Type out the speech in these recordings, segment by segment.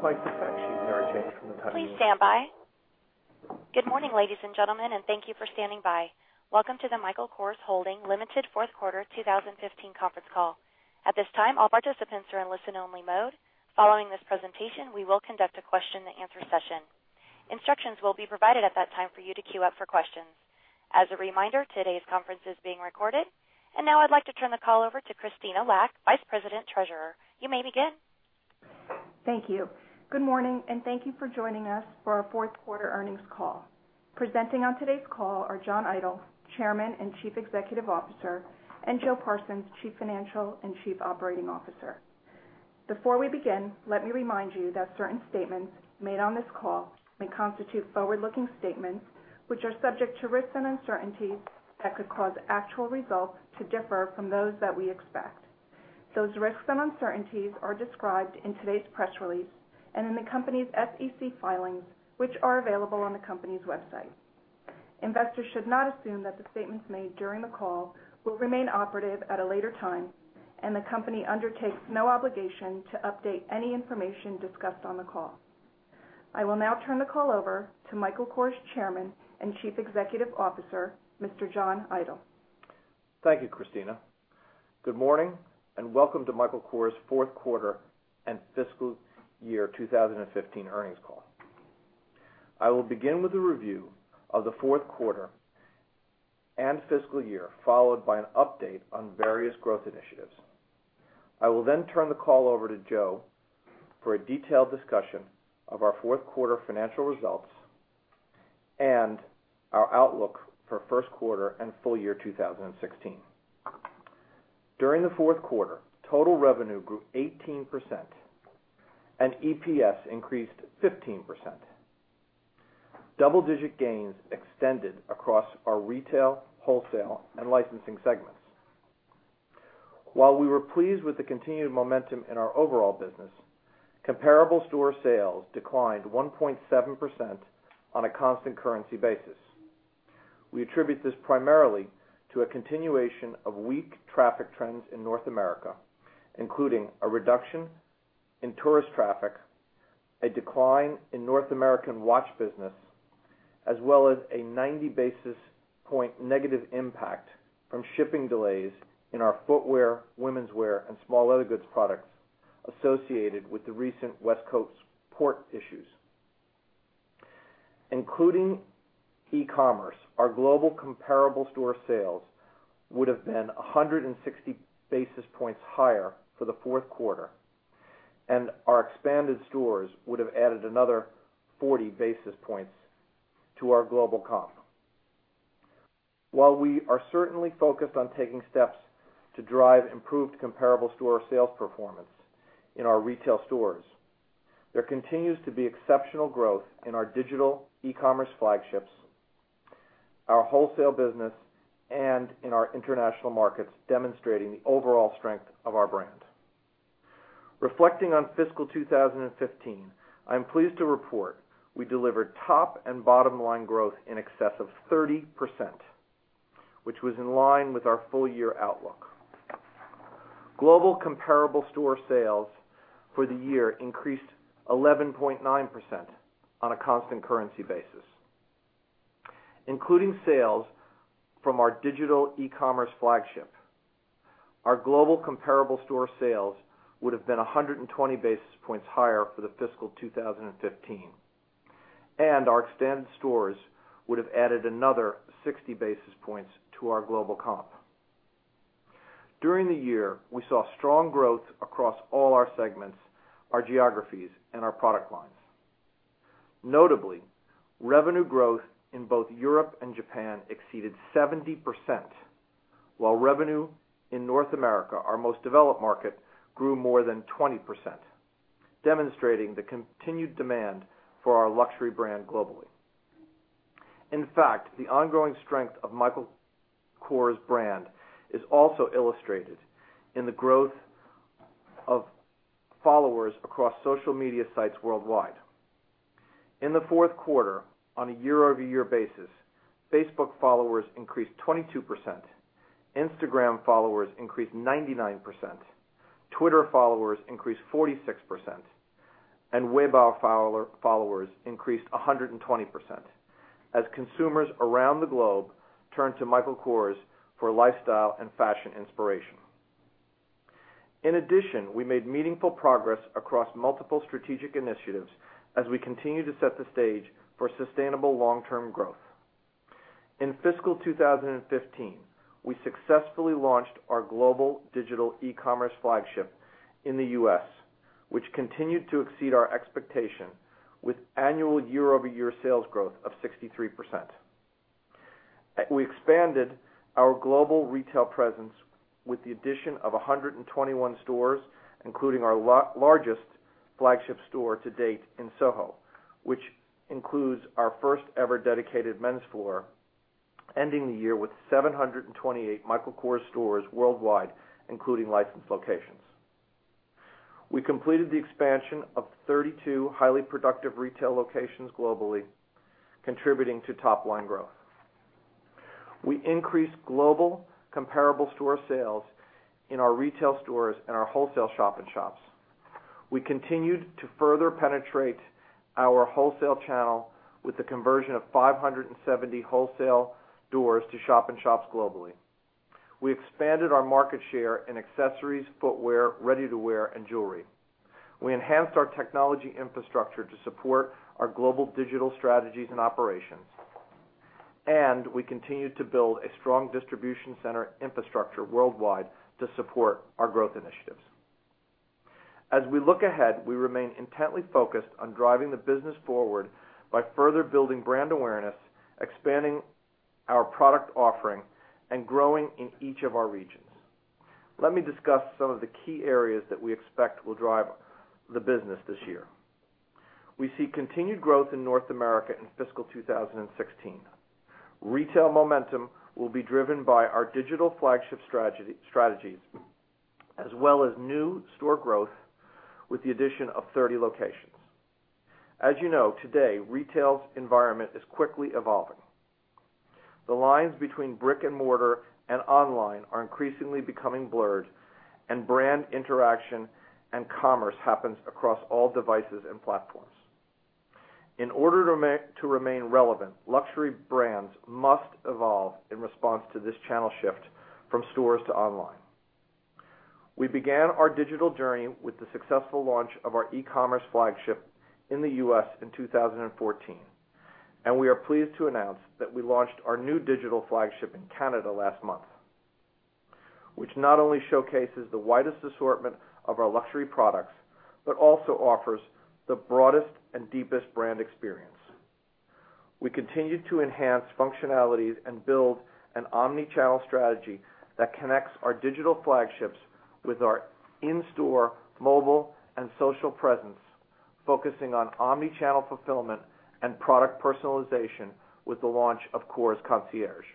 Please stand by. Good morning, ladies and gentlemen, and thank you for standing by. Welcome to the Michael Kors Holdings Limited Fourth Quarter 2015 Conference Call. At this time, all participants are in listen-only mode. Following this presentation, we will conduct a question and answer session. Instructions will be provided at that time for you to queue up for questions. As a reminder, today's conference is being recorded. Now I'd like to turn the call over to Krystyna Lack, Vice President Treasurer. You may begin. Thank you. Good morning, and thank you for joining us for our fourth quarter earnings call. Presenting on today's call are John Idol, Chairman and Chief Executive Officer, and Joe Parsons, Chief Financial and Chief Operating Officer. Before we begin, let me remind you that certain statements made on this call may constitute forward-looking statements, which are subject to risks and uncertainties that could cause actual results to differ from those that we expect. Those risks and uncertainties are described in today's press release and in the company's SEC filings, which are available on the company's website. Investors should not assume that the statements made during the call will remain operative at a later time, and the company undertakes no obligation to update any information discussed on the call. I will now turn the call over to Michael Kors Chairman and Chief Executive Officer, Mr. John Idol. Thank you, Krystyna. Good morning, and welcome to Michael Kors' fourth quarter and fiscal year 2015 earnings call. I will begin with a review of the fourth quarter and fiscal year, followed by an update on various growth initiatives. I will then turn the call over to Joe for a detailed discussion of our fourth quarter financial results and our outlook for first quarter and full year 2016. During the fourth quarter, total revenue grew 18% and EPS increased 15%. Double-digit gains extended across our retail, wholesale, and licensing segments. While we were pleased with the continued momentum in our overall business, comparable store sales declined 1.7% on a constant currency basis. We attribute this primarily to a continuation of weak traffic trends in North America, including a reduction in tourist traffic, a decline in North American watch business, as well as a 90 basis point negative impact from shipping delays in our footwear, womenswear, and small leather goods products associated with the recent West Coast port issues. Including e-commerce, our global comparable store sales would've been 160 basis points higher for the fourth quarter, and our expanded stores would've added another 40 basis points to our global comp. While we are certainly focused on taking steps to drive improved comparable store sales performance in our retail stores, there continues to be exceptional growth in our digital e-commerce flagships, our wholesale business, and in our international markets, demonstrating the overall strength of our brand. Reflecting on fiscal 2015, I'm pleased to report we delivered top and bottom-line growth in excess of 30%, which was in line with our full-year outlook. Global comparable store sales for the year increased 11.9% on a constant currency basis. Including sales from our digital e-commerce flagship, our global comparable store sales would've been 120 basis points higher for the fiscal 2015, and our expanded stores would've added another 60 basis points to our global comp. During the year, we saw strong growth across all our segments, our geographies, and our product lines. Notably, revenue growth in both Europe and Japan exceeded 70%, while revenue in North America, our most developed market, grew more than 20%, demonstrating the continued demand for our luxury brand globally. In fact, the ongoing strength of Michael Kors' brand is also illustrated in the growth of followers across social media sites worldwide. In the fourth quarter, on a year-over-year basis, Facebook followers increased 22%, Instagram followers increased 99%, Twitter followers increased 46%, and Weibo followers increased 120%, as consumers around the globe turn to Michael Kors for lifestyle and fashion inspiration. In addition, we made meaningful progress across multiple strategic initiatives as we continue to set the stage for sustainable long-term growth. In fiscal 2015, we successfully launched our global digital e-commerce flagship in the U.S., which continued to exceed our expectation with annual year-over-year sales growth of 63%. We expanded our global retail presence with the addition of 121 stores, including our largest flagship store to date in Soho, which includes our first ever dedicated men's floor, ending the year with 728 Michael Kors stores worldwide, including licensed locations. We completed the expansion of 32 highly productive retail locations globally, contributing to top-line growth. We increased global comparable store sales in our retail stores and our wholesale shop-in-shops. We continued to further penetrate our wholesale channel with the conversion of 570 wholesale doors to shop-in-shops globally. We expanded our market share in accessories, footwear, ready-to-wear, and jewelry. We enhanced our technology infrastructure to support our global digital strategies and operations. We continued to build a strong distribution center infrastructure worldwide to support our growth initiatives. As we look ahead, we remain intently focused on driving the business forward by further building brand awareness, expanding our product offering, and growing in each of our regions. Let me discuss some of the key areas that we expect will drive the business this year. We see continued growth in North America in fiscal 2016. Retail momentum will be driven by our digital flagship strategies, as well as new store growth with the addition of 30 locations. As you know, today, retail's environment is quickly evolving. The lines between brick and mortar and online are increasingly becoming blurred, and brand interaction and commerce happens across all devices and platforms. In order to remain relevant, luxury brands must evolve in response to this channel shift from stores to online. We began our digital journey with the successful launch of our e-commerce flagship in the U.S. in 2014, and we are pleased to announce that we launched our new digital flagship in Canada last month, which not only showcases the widest assortment of our luxury products, but also offers the broadest and deepest brand experience. We continue to enhance functionalities and build an omni-channel strategy that connects our digital flagships with our in-store, mobile, and social presence, focusing on omni-channel fulfillment and product personalization with the launch of Kors Concierge.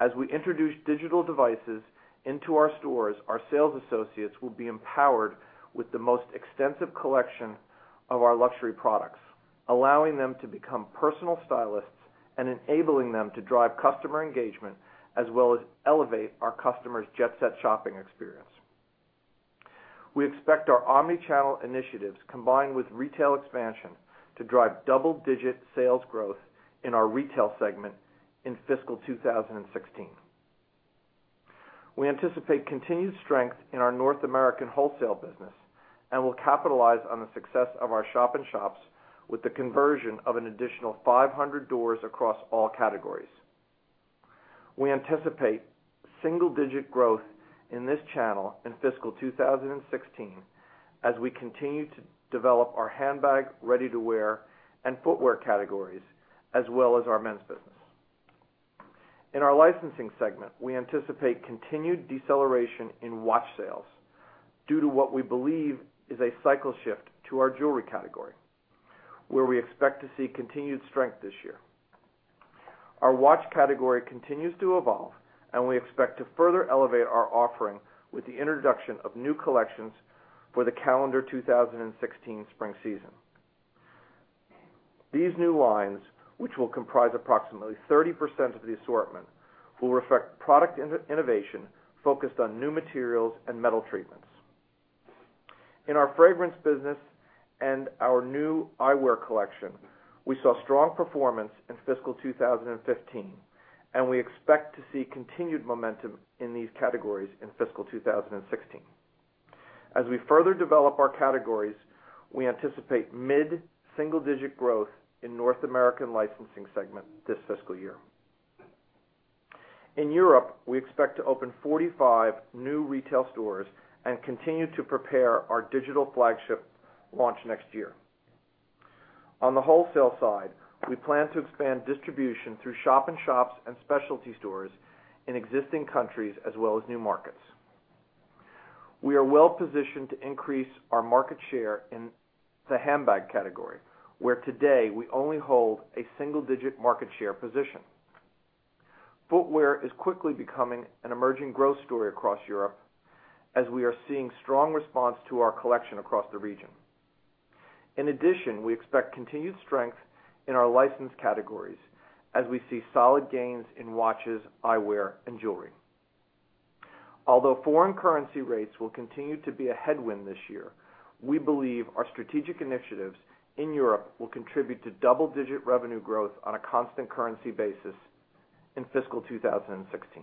As we introduce digital devices into our stores, our sales associates will be empowered with the most extensive collection of our luxury products, allowing them to become personal stylists and enabling them to drive customer engagement as well as elevate our customers' Jet Set shopping experience. We expect our omni-channel initiatives, combined with retail expansion, to drive double-digit sales growth in our retail segment in fiscal 2016. We anticipate continued strength in our North American wholesale business and will capitalize on the success of our shop-in-shops with the conversion of an additional 500 doors across all categories. We anticipate single-digit growth in this channel in fiscal 2016 as we continue to develop our handbag, ready-to-wear, and footwear categories, as well as our men's business. In our licensing segment, we anticipate continued deceleration in watch sales due to what we believe is a cycle shift to our jewelry category, where we expect to see continued strength this year. Our watch category continues to evolve, and we expect to further elevate our offering with the introduction of new collections for the calendar 2016 spring season. These new lines, which will comprise approximately 30% of the assortment, will reflect product innovation focused on new materials and metal treatments. In our fragrance business and our new eyewear collection, we saw strong performance in fiscal 2015, and we expect to see continued momentum in these categories in fiscal 2016. As we further develop our categories, we anticipate mid-single-digit growth in North American licensing segment this fiscal year. In Europe, we expect to open 45 new retail stores and continue to prepare our digital flagship launch next year. On the wholesale side, we plan to expand distribution through shop-in-shops and specialty stores in existing countries as well as new markets. We are well-positioned to increase our market share in the handbag category, where today we only hold a single-digit market share position. Although foreign currency rates will continue to be a headwind this year, we believe our strategic initiatives in Europe will contribute to double-digit revenue growth on a constant currency basis in fiscal 2016.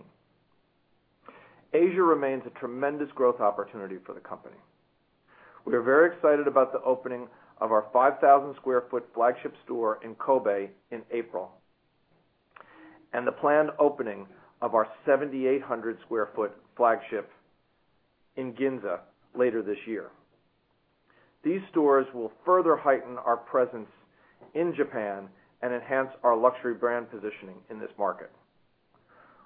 Asia remains a tremendous growth opportunity for the company. We are very excited about the opening of our 5,000 sq ft flagship store in Kobe in April and the planned opening of our 7,800 sq ft flagship in Ginza later this year. These stores will further heighten our presence in Japan and enhance our luxury brand positioning in this market.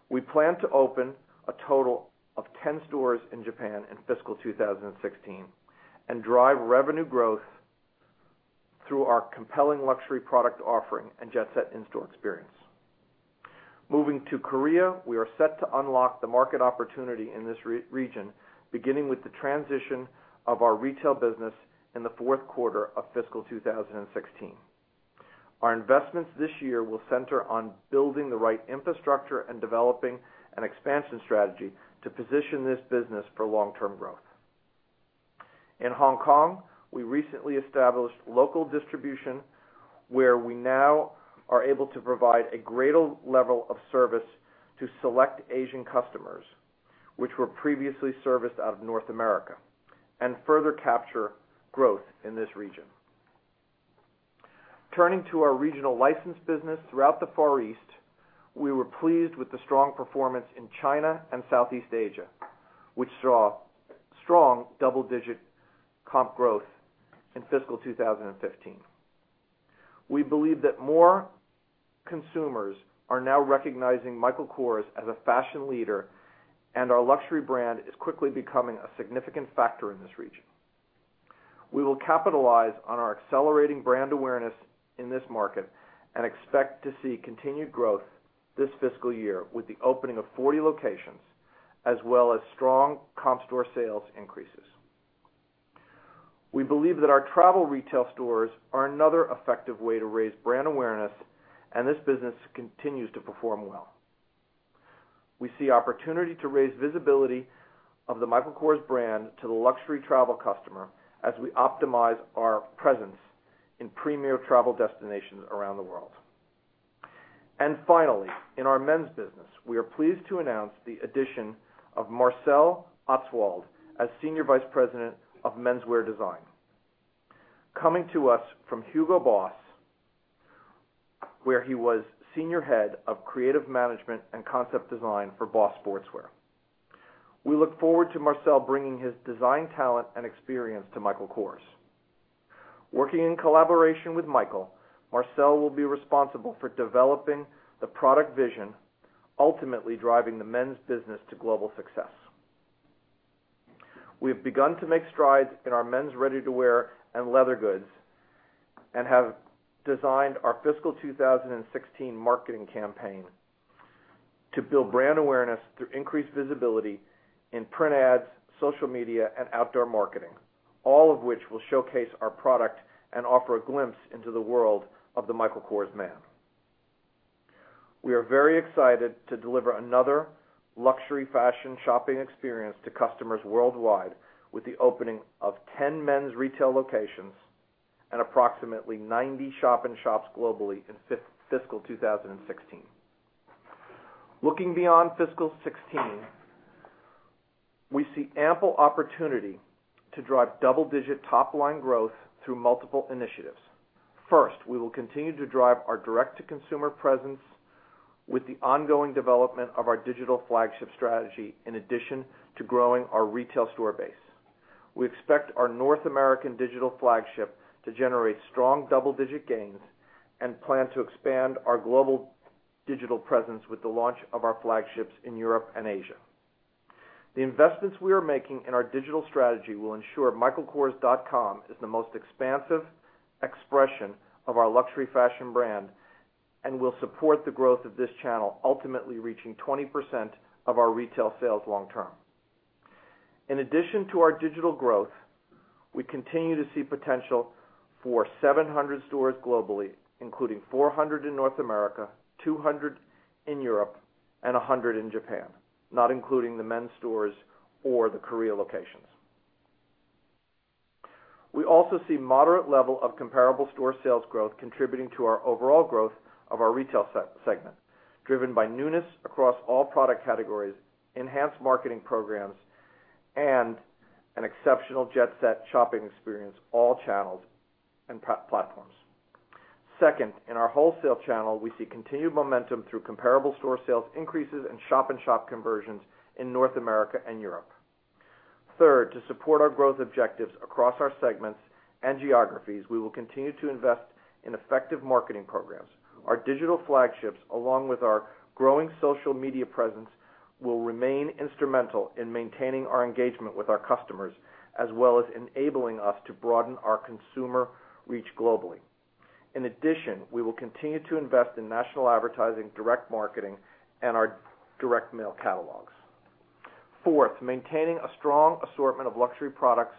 We plan to open a total of 10 stores in Japan in fiscal 2016 and drive revenue growth through our compelling luxury product offering and Jet Set in-store experience. Moving to Korea, we are set to unlock the market opportunity in this region, beginning with the transition of our retail business in the fourth quarter of fiscal 2016. Our investments this year will center on building the right infrastructure and developing an expansion strategy to position this business for long-term growth. In Hong Kong, we recently established local distribution where we now are able to provide a greater level of service to select Asian customers, which were previously serviced out of North America, and further capture growth in this region. Turning to our regional license business throughout the Far East, we were pleased with the strong performance in China and Southeast Asia, which saw strong double-digit comp growth in fiscal 2015. We believe that more consumers are now recognizing Michael Kors as a fashion leader, and our luxury brand is quickly becoming a significant factor in this region. We will capitalize on our accelerating brand awareness in this market and expect to see continued growth this fiscal year with the opening of 40 locations as well as strong comp store sales increases. We believe that our travel retail stores are another effective way to raise brand awareness, and this business continues to perform well. We see opportunity to raise visibility of the Michael Kors brand to the luxury travel customer as we optimize our presence in premier travel destinations around the world. Finally, in our men's business, we are pleased to announce the addition of Marcel Ostwald as Senior Vice President of Menswear Design, coming to us from Hugo Boss, where he was Senior Head of Creative Management and Concept Design for BOSS Sportswear. We look forward to Marcel bringing his design talent and experience to Michael Kors. Working in collaboration with Michael, Marcel will be responsible for developing the product vision, ultimately driving the men's business to global success. We have begun to make strides in our men's ready-to-wear and leather goods and have designed our fiscal 2016 marketing campaign to build brand awareness through increased visibility in print ads, social media, and outdoor marketing, all of which will showcase our product and offer a glimpse into the world of the Michael Kors man. We are very excited to deliver another luxury fashion shopping experience to customers worldwide with the opening of 10 men's retail locations and approximately 90 shop-in-shops globally in fiscal 2016. Looking beyond fiscal 2016, we see ample opportunity to drive double-digit top-line growth through multiple initiatives. First, we will continue to drive our direct-to-consumer presence with the ongoing development of our digital flagship strategy, in addition to growing our retail store base. We expect our North American digital flagship to generate strong double-digit gains and plan to expand our global digital presence with the launch of our flagships in Europe and Asia. The investments we are making in our digital strategy will ensure michaelkors.com is the most expansive expression of our luxury fashion brand and will support the growth of this channel, ultimately reaching 20% of our retail sales long term. In addition to our digital growth, we continue to see potential for 700 stores globally, including 400 in North America, 200 in Europe, and 100 in Japan, not including the men's stores or the Korea locations. We also see moderate level of comparable store sales growth contributing to our overall growth of our retail segment, driven by newness across all product categories, enhanced marketing programs, and an exceptional Jet Set shopping experience, all channels and platforms. Second, in our wholesale channel, we see continued momentum through comparable store sales increases and shop-in-shop conversions in North America and Europe. Third, to support our growth objectives across our segments and geographies, we will continue to invest in effective marketing programs. Our digital flagships, along with our growing social media presence, will remain instrumental in maintaining our engagement with our customers as well as enabling us to broaden our consumer reach globally. In addition, we will continue to invest in national advertising, direct marketing, and our direct mail catalogs. Fourth, maintaining a strong assortment of luxury products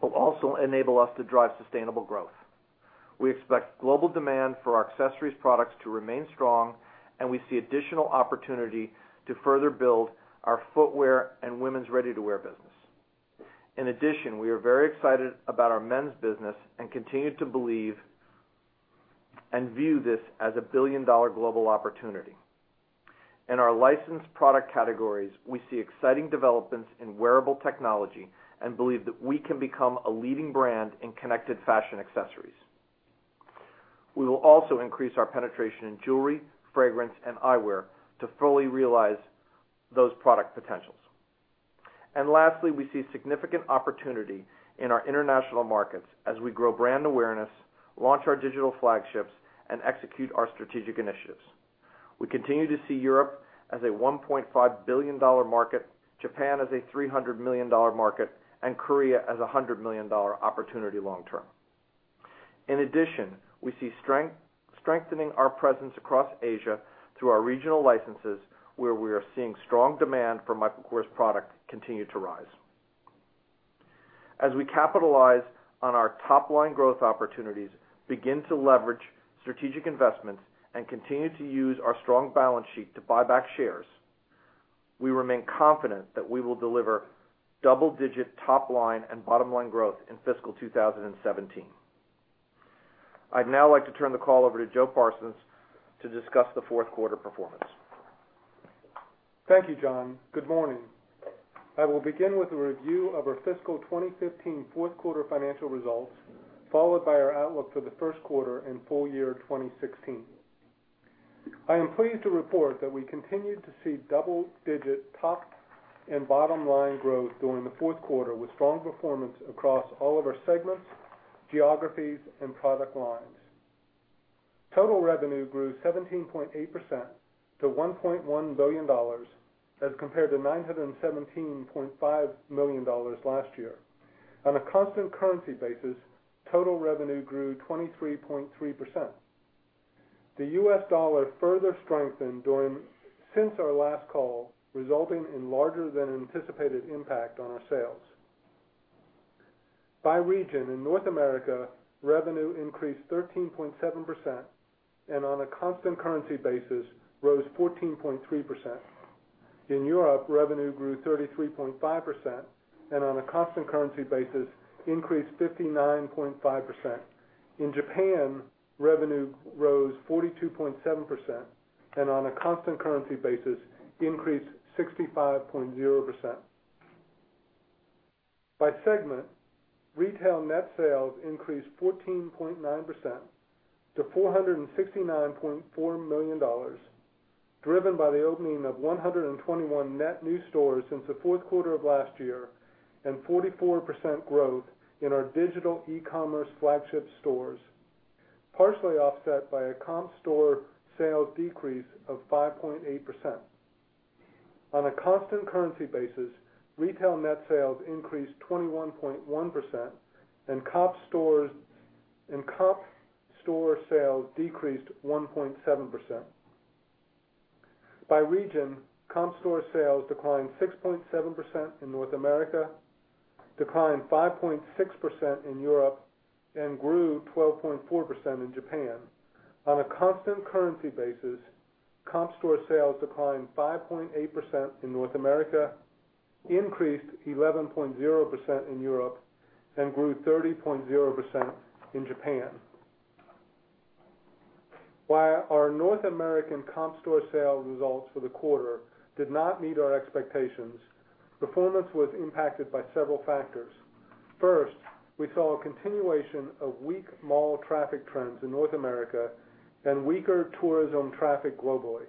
will also enable us to drive sustainable growth. We expect global demand for our accessories products to remain strong, and we see additional opportunity to further build our footwear and women's ready-to-wear business. In addition, we are very excited about our men's business and continue to believe and view this as a billion-dollar global opportunity. In our licensed product categories, we see exciting developments in wearable technology and believe that we can become a leading brand in connected fashion accessories. We will also increase our penetration in jewelry, fragrance, and eyewear to fully realize those product potentials. Lastly, we see significant opportunity in our international markets as we grow brand awareness, launch our digital flagships, and execute our strategic initiatives. We continue to see Europe as a $1.5 billion market, Japan as a $300 million market, and Korea as a $100 million opportunity long term. In addition, we see strengthening our presence across Asia through our regional licenses where we are seeing strong demand for Michael Kors product continue to rise. As we capitalize on our top-line growth opportunities, begin to leverage strategic investments, and continue to use our strong balance sheet to buy back shares, we remain confident that we will deliver double-digit top-line and bottom-line growth in fiscal 2017. I'd now like to turn the call over to Joe Parsons to discuss the fourth quarter performance. Thank you, John. Good morning. I will begin with a review of our fiscal 2015 fourth quarter financial results, followed by our outlook for the first quarter and full year 2016. I am pleased to report that we continued to see double-digit top and bottom-line growth during the fourth quarter, with strong performance across all of our segments, geographies, and product lines. Total revenue grew 17.8% to $1.1 billion as compared to $917.5 million last year. On a constant currency basis, total revenue grew 23.3%. The U.S. dollar further strengthened since our last call, resulting in larger than anticipated impact on our sales. By region, in North America, revenue increased 13.7%, and on a constant currency basis, rose 14.3%. In Europe, revenue grew 33.5%, and on a constant currency basis, increased 59.5%. In Japan, revenue rose 42.7%, and on a constant currency basis, increased 65.0%. By segment, retail net sales increased 14.9% to $469.4 million, driven by the opening of 121 net new stores since the fourth quarter of last year and 44% growth in our digital e-commerce flagship stores, partially offset by a comp store sales decrease of 5.8%. On a constant currency basis, retail net sales increased 21.1% and comp store sales decreased 1.7%. By region, comp store sales declined 6.7% in North America, declined 5.6% in Europe, and grew 12.4% in Japan. On a constant currency basis, comp store sales declined 5.8% in North America, increased 11.0% in Europe, and grew 30.0% in Japan. While our North American comp store sale results for the quarter did not meet our expectations, performance was impacted by several factors. First, we saw a continuation of weak mall traffic trends in North America and weaker tourism traffic globally.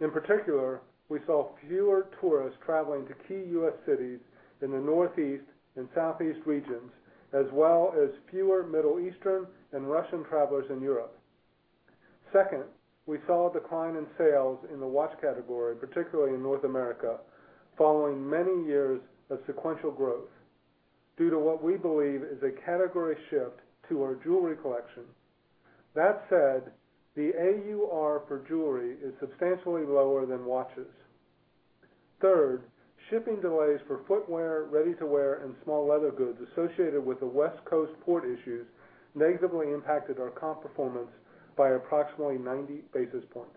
In particular, we saw fewer tourists traveling to key U.S. cities in the Northeast and Southeast regions, as well as fewer Middle Eastern and Russian travelers in Europe. Second, we saw a decline in sales in the watch category, particularly in North America, following many years of sequential growth due to what we believe is a category shift to our jewelry collection. That said, the AUR for jewelry is substantially lower than watches. Third, shipping delays for footwear, ready-to-wear, and small leather goods associated with the West Coast port issues negatively impacted our comp performance by approximately 90 basis points.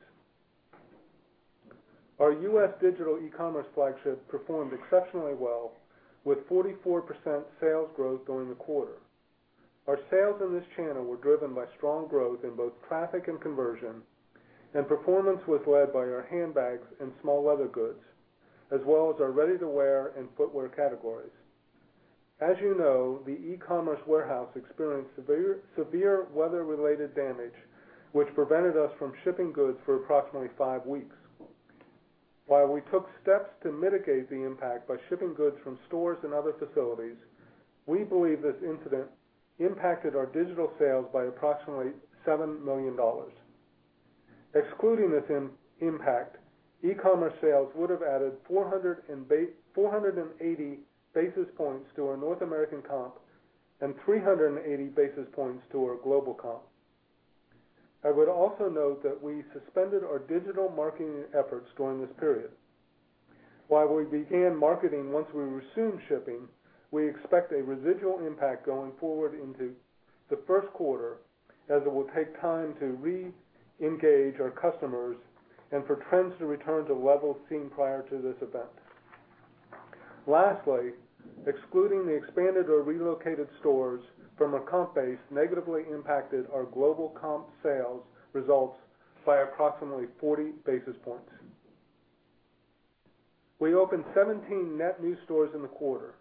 Our U.S. digital e-commerce flagship performed exceptionally well with 44% sales growth during the quarter. Our sales in this channel were driven by strong growth in both traffic and conversion, and performance was led by our handbags and small leather goods, as well as our ready-to-wear and footwear categories. As you know, the e-commerce warehouse experienced severe weather-related damage, which prevented us from shipping goods for approximately five weeks. While we took steps to mitigate the impact by shipping goods from stores and other facilities, we believe this incident impacted our digital sales by approximately $7 million. Excluding this impact, e-commerce sales would have added 480 basis points to our North American comp and 380 basis points to our global comp. I would also note that we suspended our digital marketing efforts during this period. While we began marketing once we resumed shipping, we expect a residual impact going forward into the first quarter, as it will take time to re-engage our customers and for trends to return to levels seen prior to this event. Lastly, excluding the expanded or relocated stores from a comp base negatively impacted our global comp sales results by approximately 40 basis points. We opened 17 net new stores in the quarter,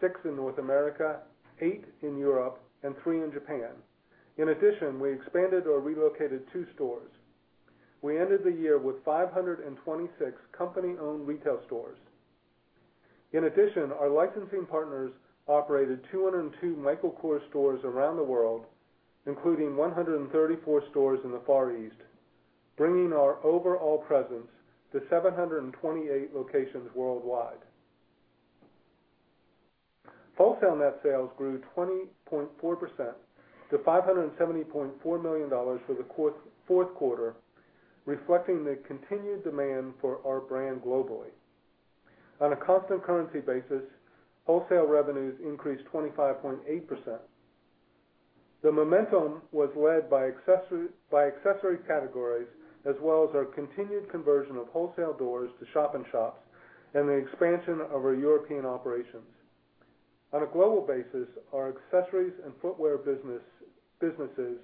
six in North America, eight in Europe, and three in Japan. In addition, we expanded or relocated two stores. We ended the year with 526 company-owned retail stores. In addition, our licensing partners operated 202 Michael Kors stores around the world, including 134 stores in the Far East, bringing our overall presence to 728 locations worldwide. Wholesale net sales grew 20.4% to $570.4 million for the fourth quarter, reflecting the continued demand for our brand globally. On a constant currency basis, wholesale revenues increased 25.8%. The momentum was led by accessory categories as well as our continued conversion of wholesale doors to shop-in-shops and the expansion of our European operations. On a global basis, our accessories and footwear businesses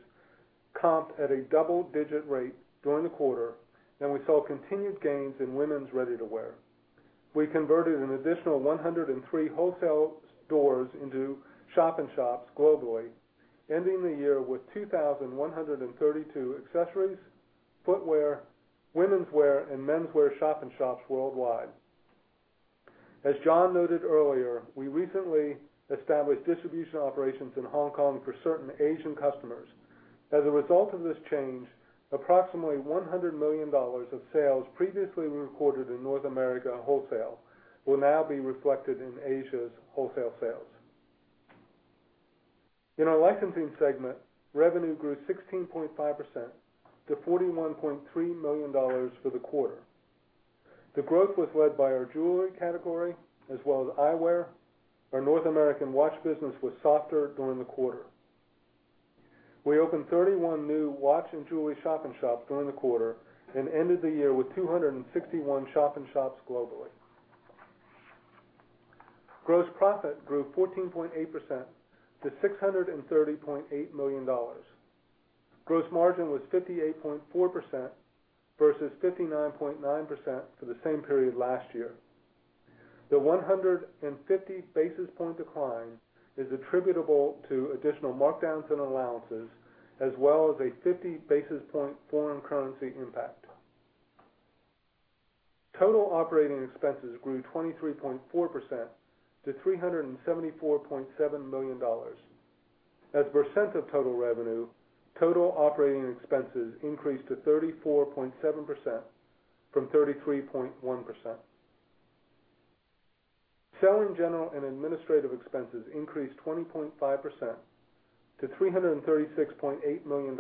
comped at a double-digit rate during the quarter, and we saw continued gains in women's ready-to-wear. We converted an additional 103 wholesale stores into shop-in-shops globally, ending the year with 2,132 accessories, footwear, womenswear, and menswear shop-in-shops worldwide. As John noted earlier, we recently established distribution operations in Hong Kong for certain Asian customers. As a result of this change, approximately $100 million of sales previously recorded in North America wholesale will now be reflected in Asia's wholesale sales. In our licensing segment, revenue grew 16.5% to $41.3 million for the quarter. The growth was led by our jewelry category as well as eyewear. Our North American watch business was softer during the quarter. We opened 31 new watch and jewelry shop-in-shops during the quarter and ended the year with 261 shop-in-shops globally. Gross profit grew 14.8% to $630.8 million. Gross margin was 58.4% versus 59.9% for the same period last year. The 150 basis point decline is attributable to additional markdowns and allowances, as well as a 50 basis point foreign currency impact. Total operating expenses grew 23.4% to $374.7 million. As a percent of total revenue, total operating expenses increased to 34.7% from 33.1%. Selling, general, and administrative expenses increased 20.5% to $336.8 million.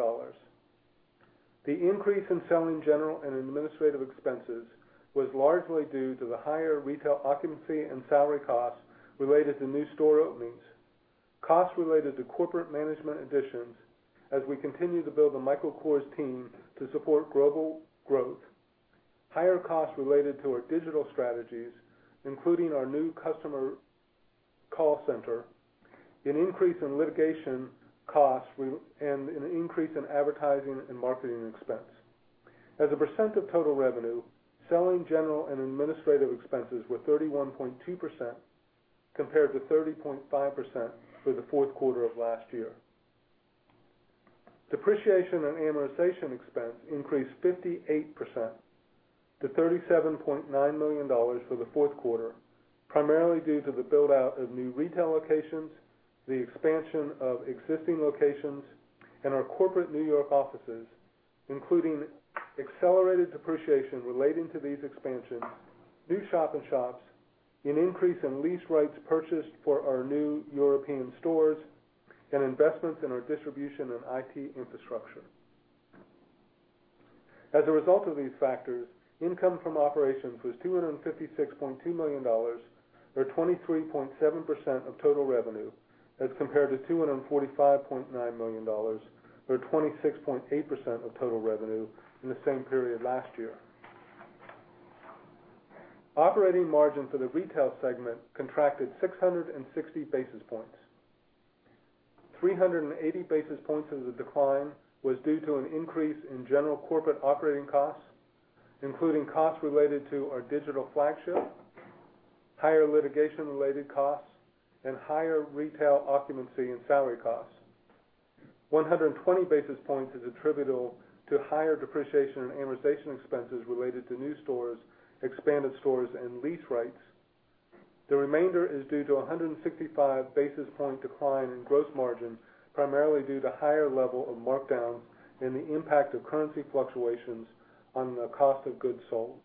The increase in selling, general, and administrative expenses was largely due to the higher retail occupancy and salary costs related to new store openings, costs related to corporate management additions as we continue to build the Michael Kors team to support global growth, higher costs related to our digital strategies, including our new customer call center, an increase in litigation costs, and an increase in advertising and marketing expense. As a percent of total revenue, selling, general, and administrative expenses were 31.2% compared to 30.5% for the fourth quarter of last year. Depreciation and amortization expense increased 58% to $37.9 million for the fourth quarter, primarily due to the build-out of new retail locations, the expansion of existing locations, and our corporate New York offices, including accelerated depreciation relating to these expansions, new shop-in-shops, an increase in lease rights purchased for our new European stores, and investments in our distribution and IT infrastructure. As a result of these factors, income from operations was $256.2 million, or 23.7% of total revenue as compared to $245.9 million or 26.8% of total revenue in the same period last year. Operating margin for the retail segment contracted 660 basis points. 380 basis points of the decline was due to an increase in general corporate operating costs, including costs related to our digital flagship, higher litigation-related costs, and higher retail occupancy and salary costs. 120 basis points is attributable to higher depreciation and amortization expenses related to new stores, expanded stores, and lease rights. The remainder is due to 165 basis point decline in gross margin, primarily due to higher level of markdowns and the impact of currency fluctuations on the cost of goods sold.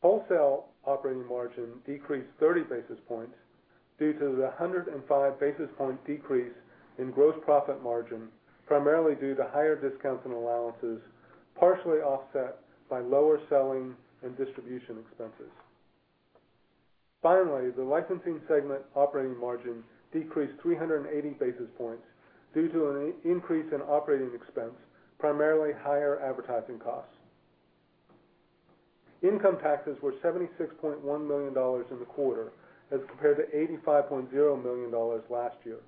Wholesale operating margin decreased 30 basis points due to the 105 basis point decrease in gross profit margin, primarily due to higher discounts and allowances, partially offset by lower selling and distribution expenses. Finally, the licensing segment operating margin decreased 380 basis points due to an increase in operating expense, primarily higher advertising costs. Income taxes were $76.1 million in the quarter as compared to $85.0 million last year.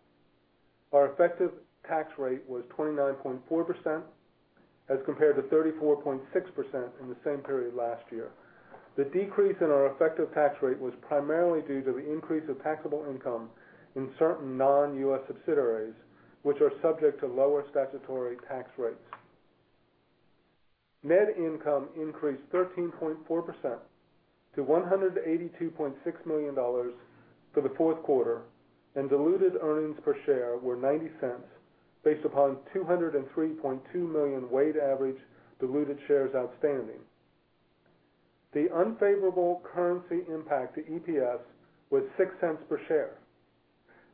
Our effective tax rate was 29.4% as compared to 34.6% in the same period last year. The decrease in our effective tax rate was primarily due to the increase of taxable income in certain non-U.S. subsidiaries, which are subject to lower statutory tax rates. Net income increased 13.4% to $182.6 million. For the fourth quarter, diluted earnings per share were $0.90, based upon 203.2 million weighted average diluted shares outstanding. The unfavorable currency impact to EPS was $0.06 per share.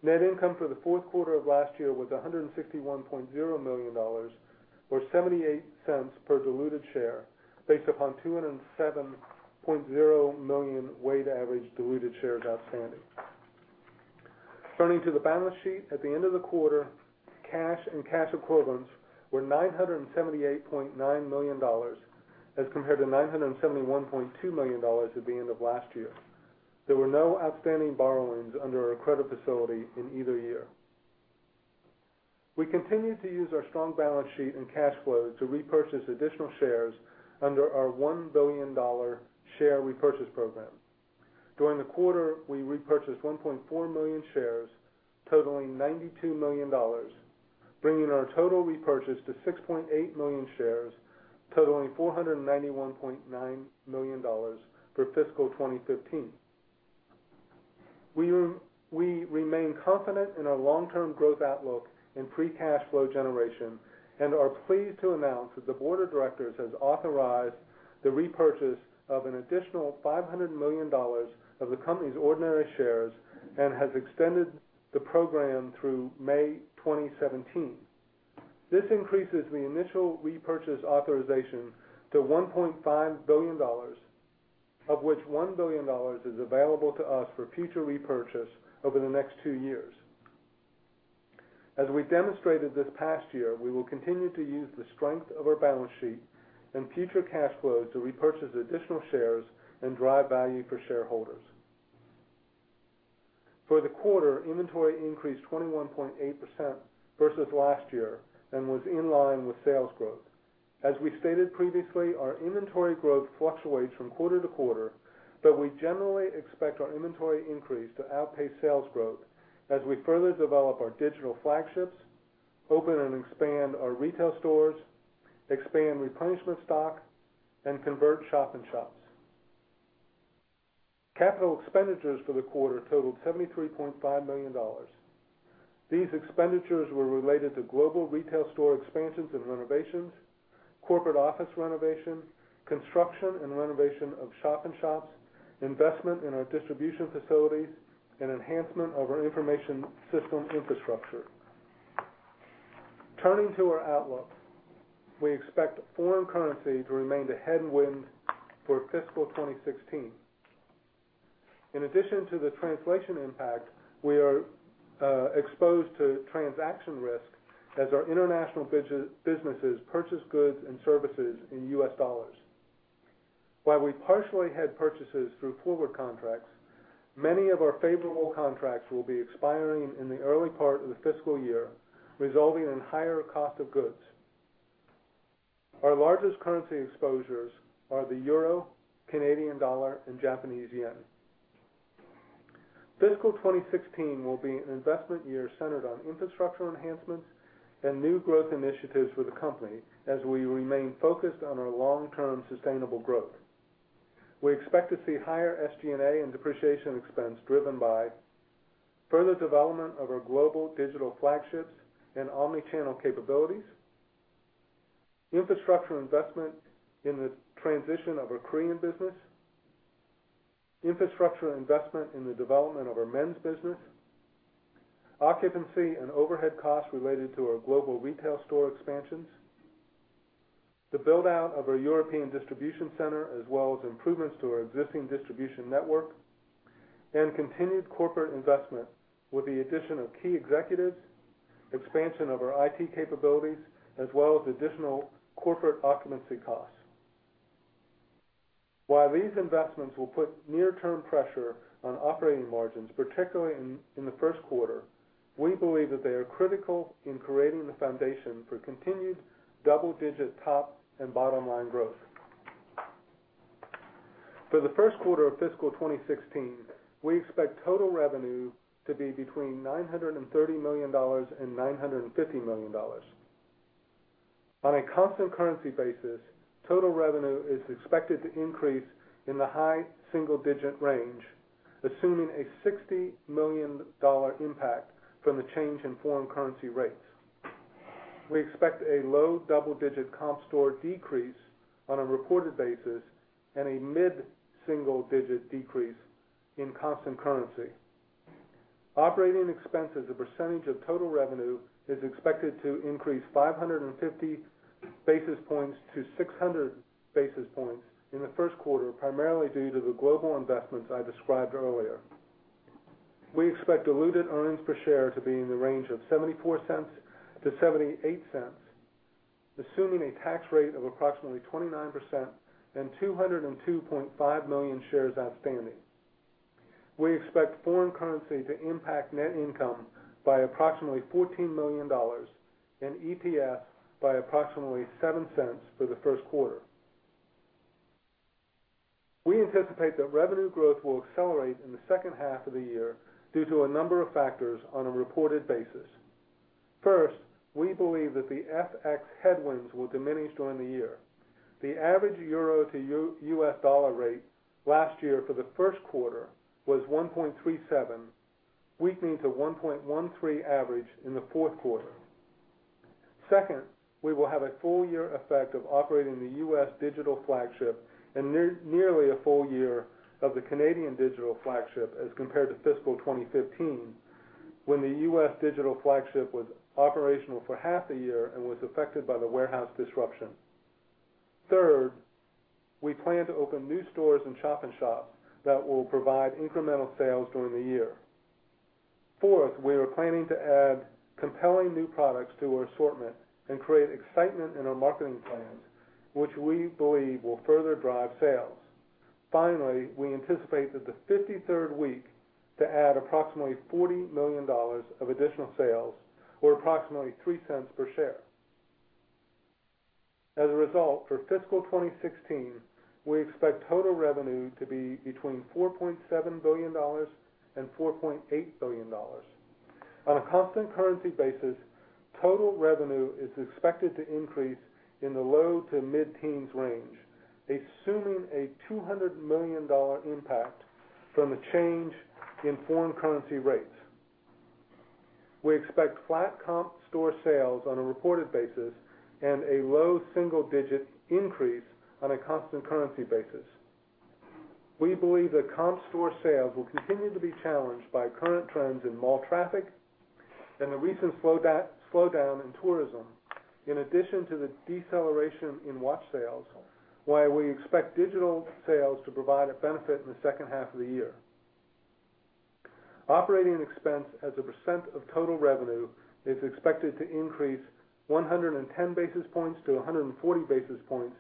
Net income for the fourth quarter of last year was $161.0 million, or $0.78 per diluted share, based upon 207.0 million weighted average diluted shares outstanding. Turning to the balance sheet. At the end of the quarter, cash and cash equivalents were $978.9 million, as compared to $971.2 million at the end of last year. There were no outstanding borrowings under our credit facility in either year. We continue to use our strong balance sheet and cash flow to repurchase additional shares under our $1 billion share repurchase program. During the quarter, we repurchased 1.4 million shares totaling $92 million, bringing our total repurchase to 6.8 million shares totaling $491.9 million for fiscal 2015. We remain confident in our long-term growth outlook and free cash flow generation, and are pleased to announce that the board of directors has authorized the repurchase of an additional $500 million of the company's ordinary shares and has extended the program through May 2017. This increases the initial repurchase authorization to $1.5 billion, of which $1 billion is available to us for future repurchase over the next two years. As we demonstrated this past year, we will continue to use the strength of our balance sheet and future cash flows to repurchase additional shares and drive value for shareholders. For the quarter, inventory increased 21.8% versus last year and was in line with sales growth. As we stated previously, our inventory growth fluctuates from quarter to quarter, but we generally expect our inventory increase to outpace sales growth as we further develop our digital flagships, open and expand our retail stores, expand replenishment stock, and convert shop-in-shops. Capital expenditures for the quarter totaled $73.5 million. These expenditures were related to global retail store expansions and renovations, corporate office renovation, construction and renovation of shop-in-shops, investment in our distribution facilities, and enhancement of our information system infrastructure. Turning to our outlook. We expect foreign currency to remain the headwind for fiscal 2016. In addition to the translation impact, we are exposed to transaction risk as our international businesses purchase goods and services in U.S. dollars. While we partially had purchases through forward contracts, many of our favorable contracts will be expiring in the early part of the fiscal year, resulting in higher cost of goods. Our largest currency exposures are the euro, Canadian dollar, and Japanese yen. Fiscal 2016 will be an investment year centered on infrastructure enhancements and new growth initiatives for the company as we remain focused on our long-term sustainable growth. We expect to see higher SG&A and depreciation expense driven by further development of our global digital flagships and omni-channel capabilities, infrastructure investment in the transition of our Korean business, infrastructure investment in the development of our men's business, occupancy and overhead costs related to our global retail store expansions, the build-out of our European distribution center, as well as improvements to our existing distribution network, and continued corporate investment with the addition of key executives, expansion of our IT capabilities, as well as additional corporate occupancy costs. While these investments will put near-term pressure on operating margins, particularly in the first quarter, we believe that they are critical in creating the foundation for continued double-digit top and bottom-line growth. For the first quarter of fiscal 2016, we expect total revenue to be between $930 million and $950 million. On a constant currency basis, total revenue is expected to increase in the high single-digit range, assuming a $60 million impact from the change in foreign currency rates. We expect a low double-digit comp store decrease on a reported basis and a mid-single-digit decrease in constant currency. Operating expense as a percentage of total revenue is expected to increase 550 basis points to 600 basis points in the first quarter, primarily due to the global investments I described earlier. We expect diluted earnings per share to be in the range of $0.74 to $0.78, assuming a tax rate of approximately 29% and 202.5 million shares outstanding. We expect foreign currency to impact net income by approximately $14 million and EPS by approximately $0.07 for the first quarter. We anticipate that revenue growth will accelerate in the second half of the year due to a number of factors on a reported basis. First, we believe that the FX headwinds will diminish during the year. The average euro to US dollar rate last year for the first quarter was 1.37, weakening to 1.13 average in the fourth quarter. Second, we will have a full year effect of operating the U.S. digital flagship and nearly a full year of the Canadian digital flagship as compared to fiscal 2015, when the U.S. digital flagship was operational for half a year and was affected by the warehouse disruption. Third, we plan to open new stores and shop-in-shops that will provide incremental sales during the year. Fourth, we are planning to add compelling new products to our assortment and create excitement in our marketing plans, which we believe will further drive sales. Finally, we anticipate that the 53rd week to add approximately $40 million of additional sales or approximately $0.03 per share. As a result, for fiscal 2016, we expect total revenue to be between $4.7 billion and $4.8 billion. On a constant currency basis, total revenue is expected to increase in the low to mid-teens range, assuming a $200 million impact from a change in foreign currency rates. We expect flat comp store sales on a reported basis and a low double-digit increase on a constant currency basis. We believe that comp store sales will continue to be challenged by current trends in mall traffic and the recent slowdown in tourism, in addition to the deceleration in watch sales, while we expect digital sales to provide a benefit in the second half of the year. Operating expense as a percent of total revenue is expected to increase 110 basis points to 140 basis points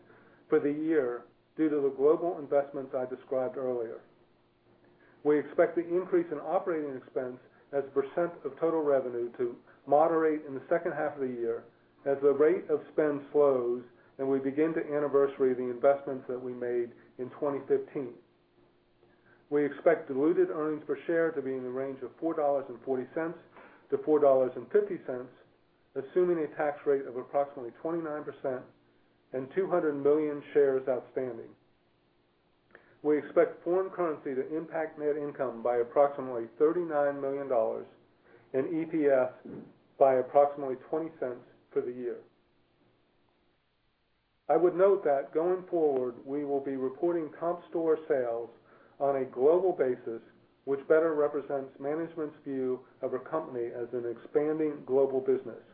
for the year due to the global investments I described earlier. We expect the increase in operating expense as a percent of total revenue to moderate in the second half of the year as the rate of spend slows and we begin to anniversary the investments that we made in 2015. We expect diluted earnings per share to be in the range of $4.40 to $4.50, assuming a tax rate of approximately 29% and 200 million shares outstanding. We expect foreign currency to impact net income by approximately $39 million and EPS by approximately $0.20 for the year. I would note that going forward, we will be reporting comp store sales on a global basis, which better represents management's view of a company as an expanding global business.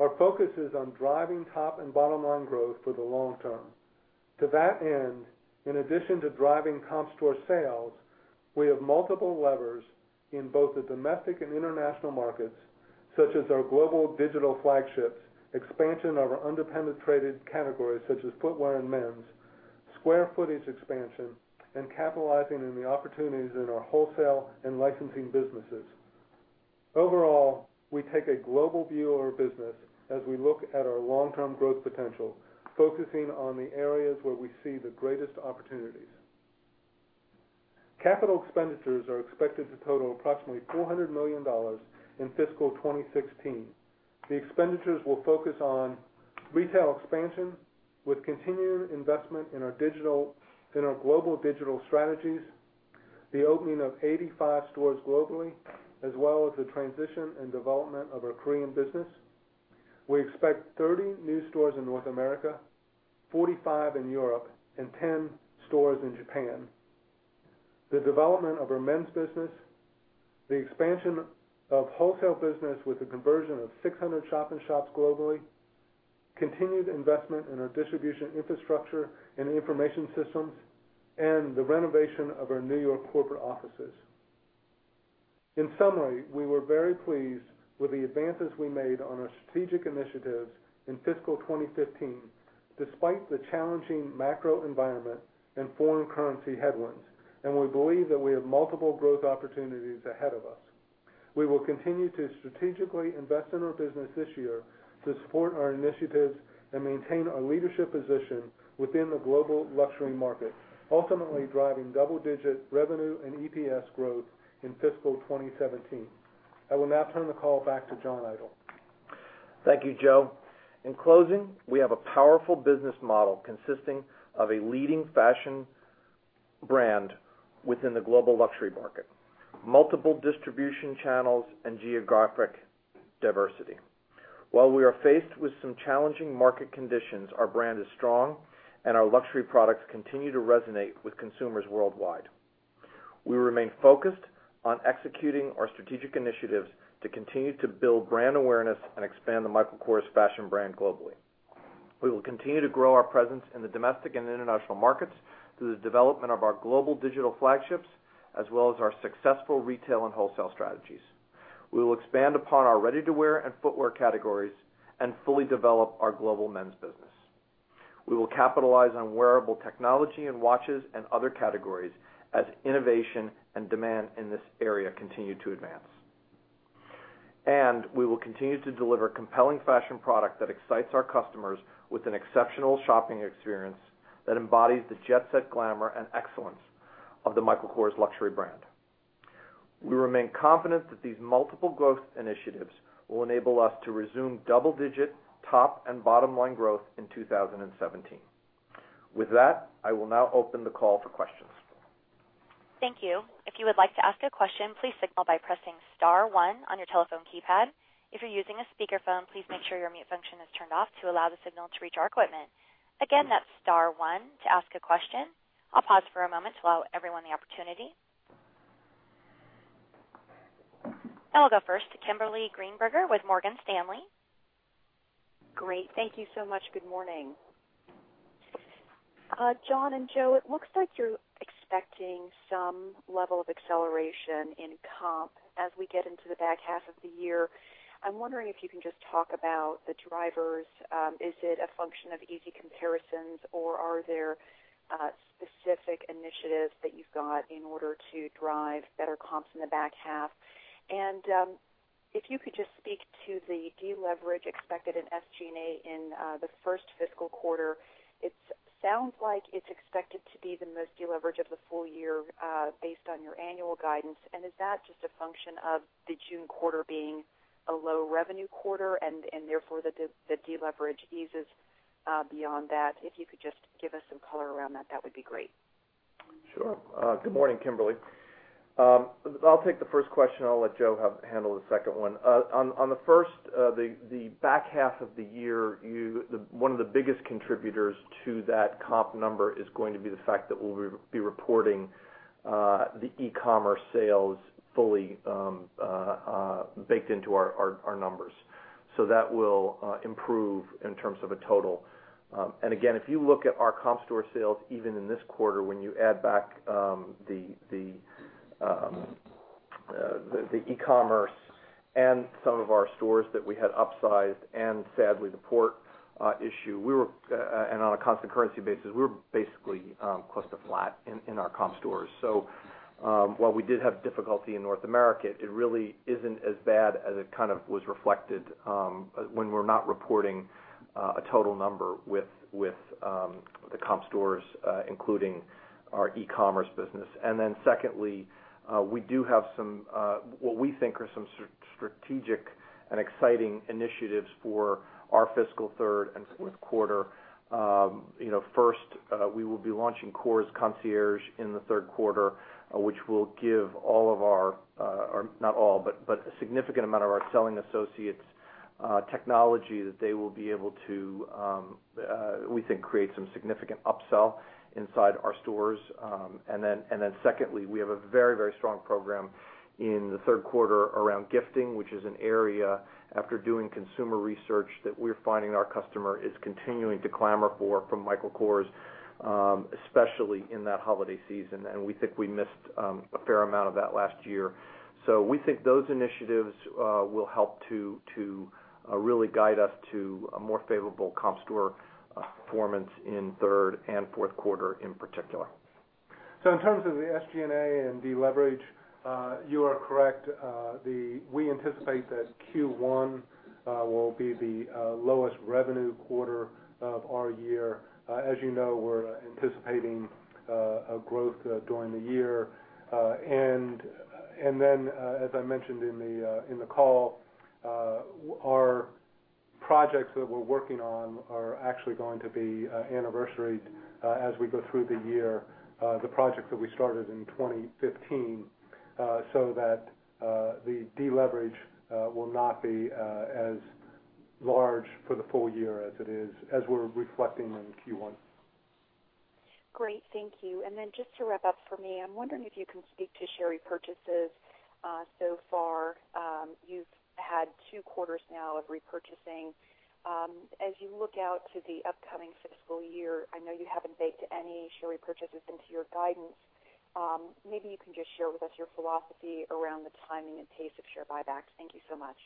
Our focus is on driving top and bottom-line growth for the long term. To that end, in addition to driving comp store sales, we have multiple levers in both the domestic and international markets, such as our global digital flagships, expansion of our under-penetrated categories such as footwear and men's, square footage expansion, and capitalizing on the opportunities in our wholesale and licensing businesses. Overall, we take a global view of our business as we look at our long-term growth potential, focusing on the areas where we see the greatest opportunities. Capital expenditures are expected to total approximately $400 million in fiscal 2016. The expenditures will focus on retail expansion with continued investment in our global digital strategies, the opening of 85 stores globally, as well as the transition and development of our Korean business. We expect 30 new stores in North America, 45 in Europe, and 10 stores in Japan. The development of our men's business, the expansion of wholesale business with the conversion of 600 shop-in-shops globally, continued investment in our distribution infrastructure and information systems, and the renovation of our New York corporate offices. In summary, we were very pleased with the advances we made on our strategic initiatives in fiscal 2015, despite the challenging macro environment and foreign currency headwinds, and we believe that we have multiple growth opportunities ahead of us. We will continue to strategically invest in our business this year to support our initiatives and maintain our leadership position within the global luxury market, ultimately driving double-digit revenue and EPS growth in fiscal 2017. I will now turn the call back to John Idol. Thank you, Joe. In closing, we have a powerful business model consisting of a leading fashion brand within the global luxury market, multiple distribution channels, and geographic diversity. While we are faced with some challenging market conditions, our brand is strong, and our luxury products continue to resonate with consumers worldwide. We remain focused on executing our strategic initiatives to continue to build brand awareness and expand the Michael Kors fashion brand globally. We will continue to grow our presence in the domestic and international markets through the development of our global digital flagships as well as our successful retail and wholesale strategies. We will expand upon our ready-to-wear and footwear categories and fully develop our global men's business. We will capitalize on wearable technology and watches and other categories as innovation and demand in this area continue to advance. We will continue to deliver compelling fashion product that excites our customers with an exceptional shopping experience that embodies the jet-set glamour and excellence of the Michael Kors luxury brand. We remain confident that these multiple growth initiatives will enable us to resume double-digit top and bottom-line growth in 2017. With that, I will now open the call for questions. Thank you. If you would like to ask a question, please signal by pressing *1 on your telephone keypad. If you're using a speakerphone, please make sure your mute function is turned off to allow the signal to reach our equipment. Again, that's *1 to ask a question. I'll pause for a moment to allow everyone the opportunity. I'll go first to Kimberly Greenberger with Morgan Stanley. Great. Thank you so much. Good morning. John and Joe, it looks like you're expecting some level of acceleration in comp as we get into the back half of the year. I'm wondering if you can just talk about the drivers. Is it a function of easy comparisons, or are there specific initiatives that you've got in order to drive better comps in the back half? If you could just speak to the deleverage expected in SG&A in the first fiscal quarter. It sounds like it's expected to be the most deleverage of the full year based on your annual guidance. Is that just a function of the June quarter being a low revenue quarter and therefore the deleverage eases beyond that? If you could just give us some color around that would be great. Sure. Good morning, Kimberly. I'll take the first question. I'll let Joe handle the second one. On the first, the back half of the year, one of the biggest contributors to that comp number is going to be the fact that we'll be reporting the e-commerce sales fully baked into our numbers. That will improve in terms of a total. Again, if you look at our comp store sales, even in this quarter, when you add back the e-commerce and some of our stores that we had upsized and sadly, the port issue, and on a constant currency basis, we were basically close to flat in our comp stores. While we did have difficulty in North America, it really isn't as bad as it was reflected when we're not reporting a total number with the comp stores including our e-commerce business. Secondly, we do have what we think are some strategic and exciting initiatives for our fiscal third and fourth quarter. First, we will be launching Kors Concierge in the third quarter, which will give a significant amount of our selling associates technology that they will be able to, we think, create some significant upsell inside our stores. Secondly, we have a very strong program in the third quarter around gifting, which is an area after doing consumer research that we're finding our customer is continuing to clamor for from Michael Kors, especially in that holiday season, and we think we missed a fair amount of that last year. We think those initiatives will help to really guide us to a more favorable comp store performance in third and fourth quarter in particular. In terms of the SG&A and deleverage, you are correct. We anticipate that Q1 will be the lowest revenue quarter of our year. As you know, we're anticipating a growth during the year. As I mentioned in the call, our projects that we're working on are actually going to be anniversaried as we go through the year, the projects that we started in 2015, so that the deleverage will not be as large for the full year as it is as we're reflecting in Q1. Great. Thank you. Just to wrap up for me, I'm wondering if you can speak to share repurchases so far. You've had two quarters now of repurchasing. As you look out to the upcoming fiscal year, I know you haven't baked any share repurchases into your guidance. Maybe you can just share with us your philosophy around the timing and pace of share buybacks. Thank you so much.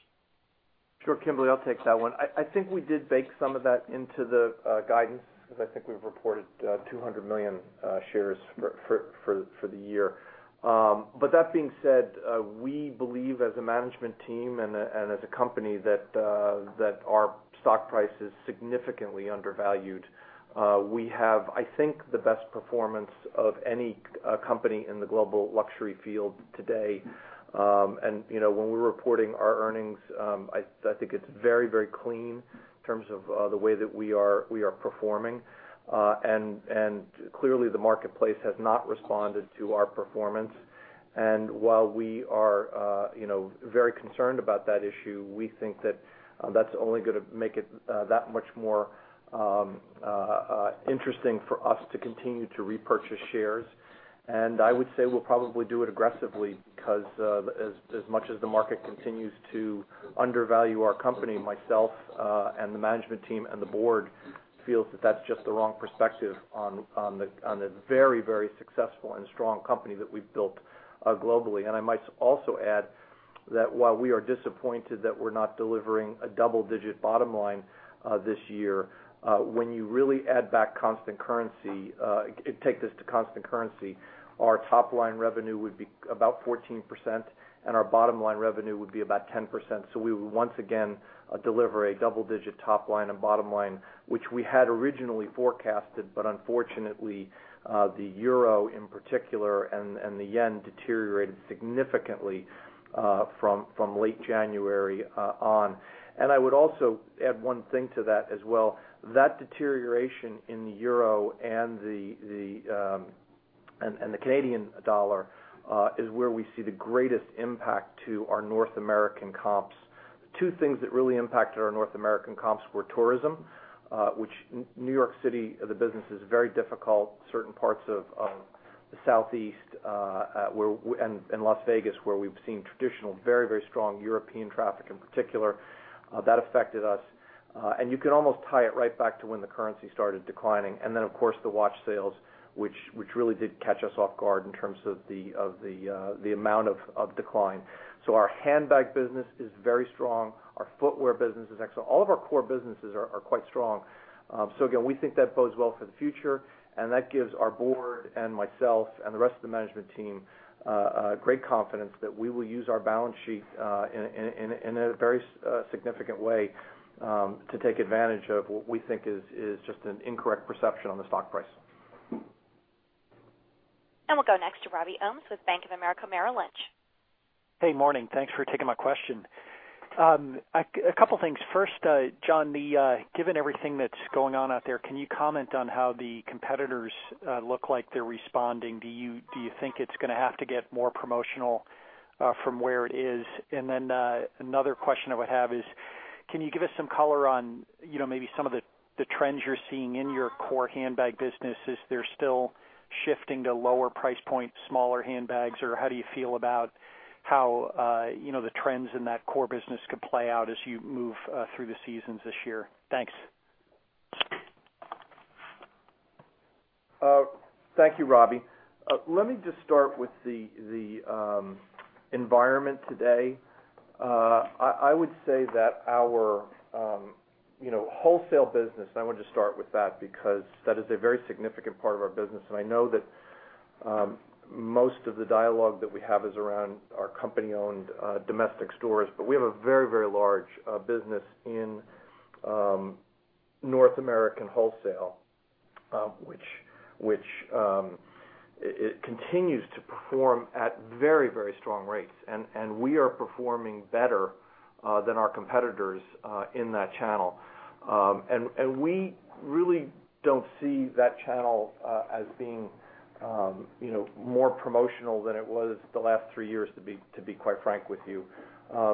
Sure, Kimberly, I'll take that one. I think we did bake some of that into the guidance because I think we've reported 200 million shares for the year. That being said, we believe as a management team and as a company that our stock price is significantly undervalued. We have, I think, the best performance of any company in the global luxury field today. When we're reporting our earnings, I think it's very clean in terms of the way that we are performing. Clearly the marketplace has not responded to our performance. While we are very concerned about that issue, we think that's only going to make it that much more interesting for us to continue to repurchase shares. I would say we'll probably do it aggressively because as much as the market continues to undervalue our company, myself and the management team and the board feels that that's just the wrong perspective on the very successful and strong company that we've built globally. I might also add that while we are disappointed that we're not delivering a double-digit bottom line this year, when you really take this to constant currency, our top-line revenue would be about 14%, and our bottom-line revenue would be about 10%. We would once again deliver a double-digit top line and bottom line, which we had originally forecasted, but unfortunately, the euro in particular and the yen deteriorated significantly from late January on. I would also add one thing to that as well. That deterioration in the euro and the Canadian dollar is where we see the greatest impact to our North American comps. Two things that really impacted our North American comps were tourism, which New York City, the business is very difficult. Certain parts of the Southeast, and Las Vegas, where we've seen traditional, very strong European traffic in particular. That affected us. You can almost tie it right back to when the currency started declining. Then, of course, the watch sales, which really did catch us off guard in terms of the amount of decline. Our handbag business is very strong. Our footwear business is excellent. All of our core businesses are quite strong. Again, we think that bodes well for the future, and that gives our board and myself and the rest of the management team great confidence that we will use our balance sheet in a very significant way to take advantage of what we think is just an incorrect perception on the stock price. We'll go next to Robert Ohmes with Bank of America Merrill Lynch. Hey, morning. Thanks for taking my question. A couple things. First, John, given everything that's going on out there, can you comment on how the competitors look like they're responding? Do you think it's going to have to get more promotional from where it is? Another question I would have is, can you give us some color on maybe some of the trends you're seeing in your core handbag business? Is there still shifting to lower price point, smaller handbags, or how do you feel about how the trends in that core business could play out as you move through the seasons this year? Thanks. Thank you, Robbie. Let me just start with the environment today. I would say that our wholesale business, and I want to start with that because that is a very significant part of our business, and I know that most of the dialogue that we have is around our company-owned domestic stores. We have a very large business in North American wholesale, which continues to perform at very strong rates, and we are performing better than our competitors in that channel. We really don't see that channel as being more promotional than it was the last three years, to be quite frank with you.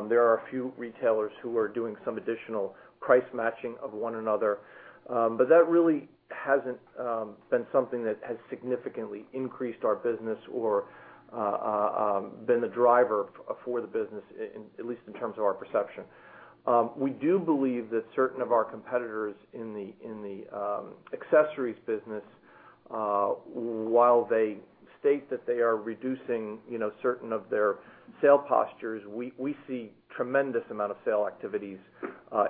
There are a few retailers who are doing some additional price matching of one another. That really hasn't been something that has significantly increased our business or been the driver for the business, at least in terms of our perception. We do believe that certain of our competitors in the accessories business while they state that they are reducing certain of their sale postures, we see tremendous amount of sale activities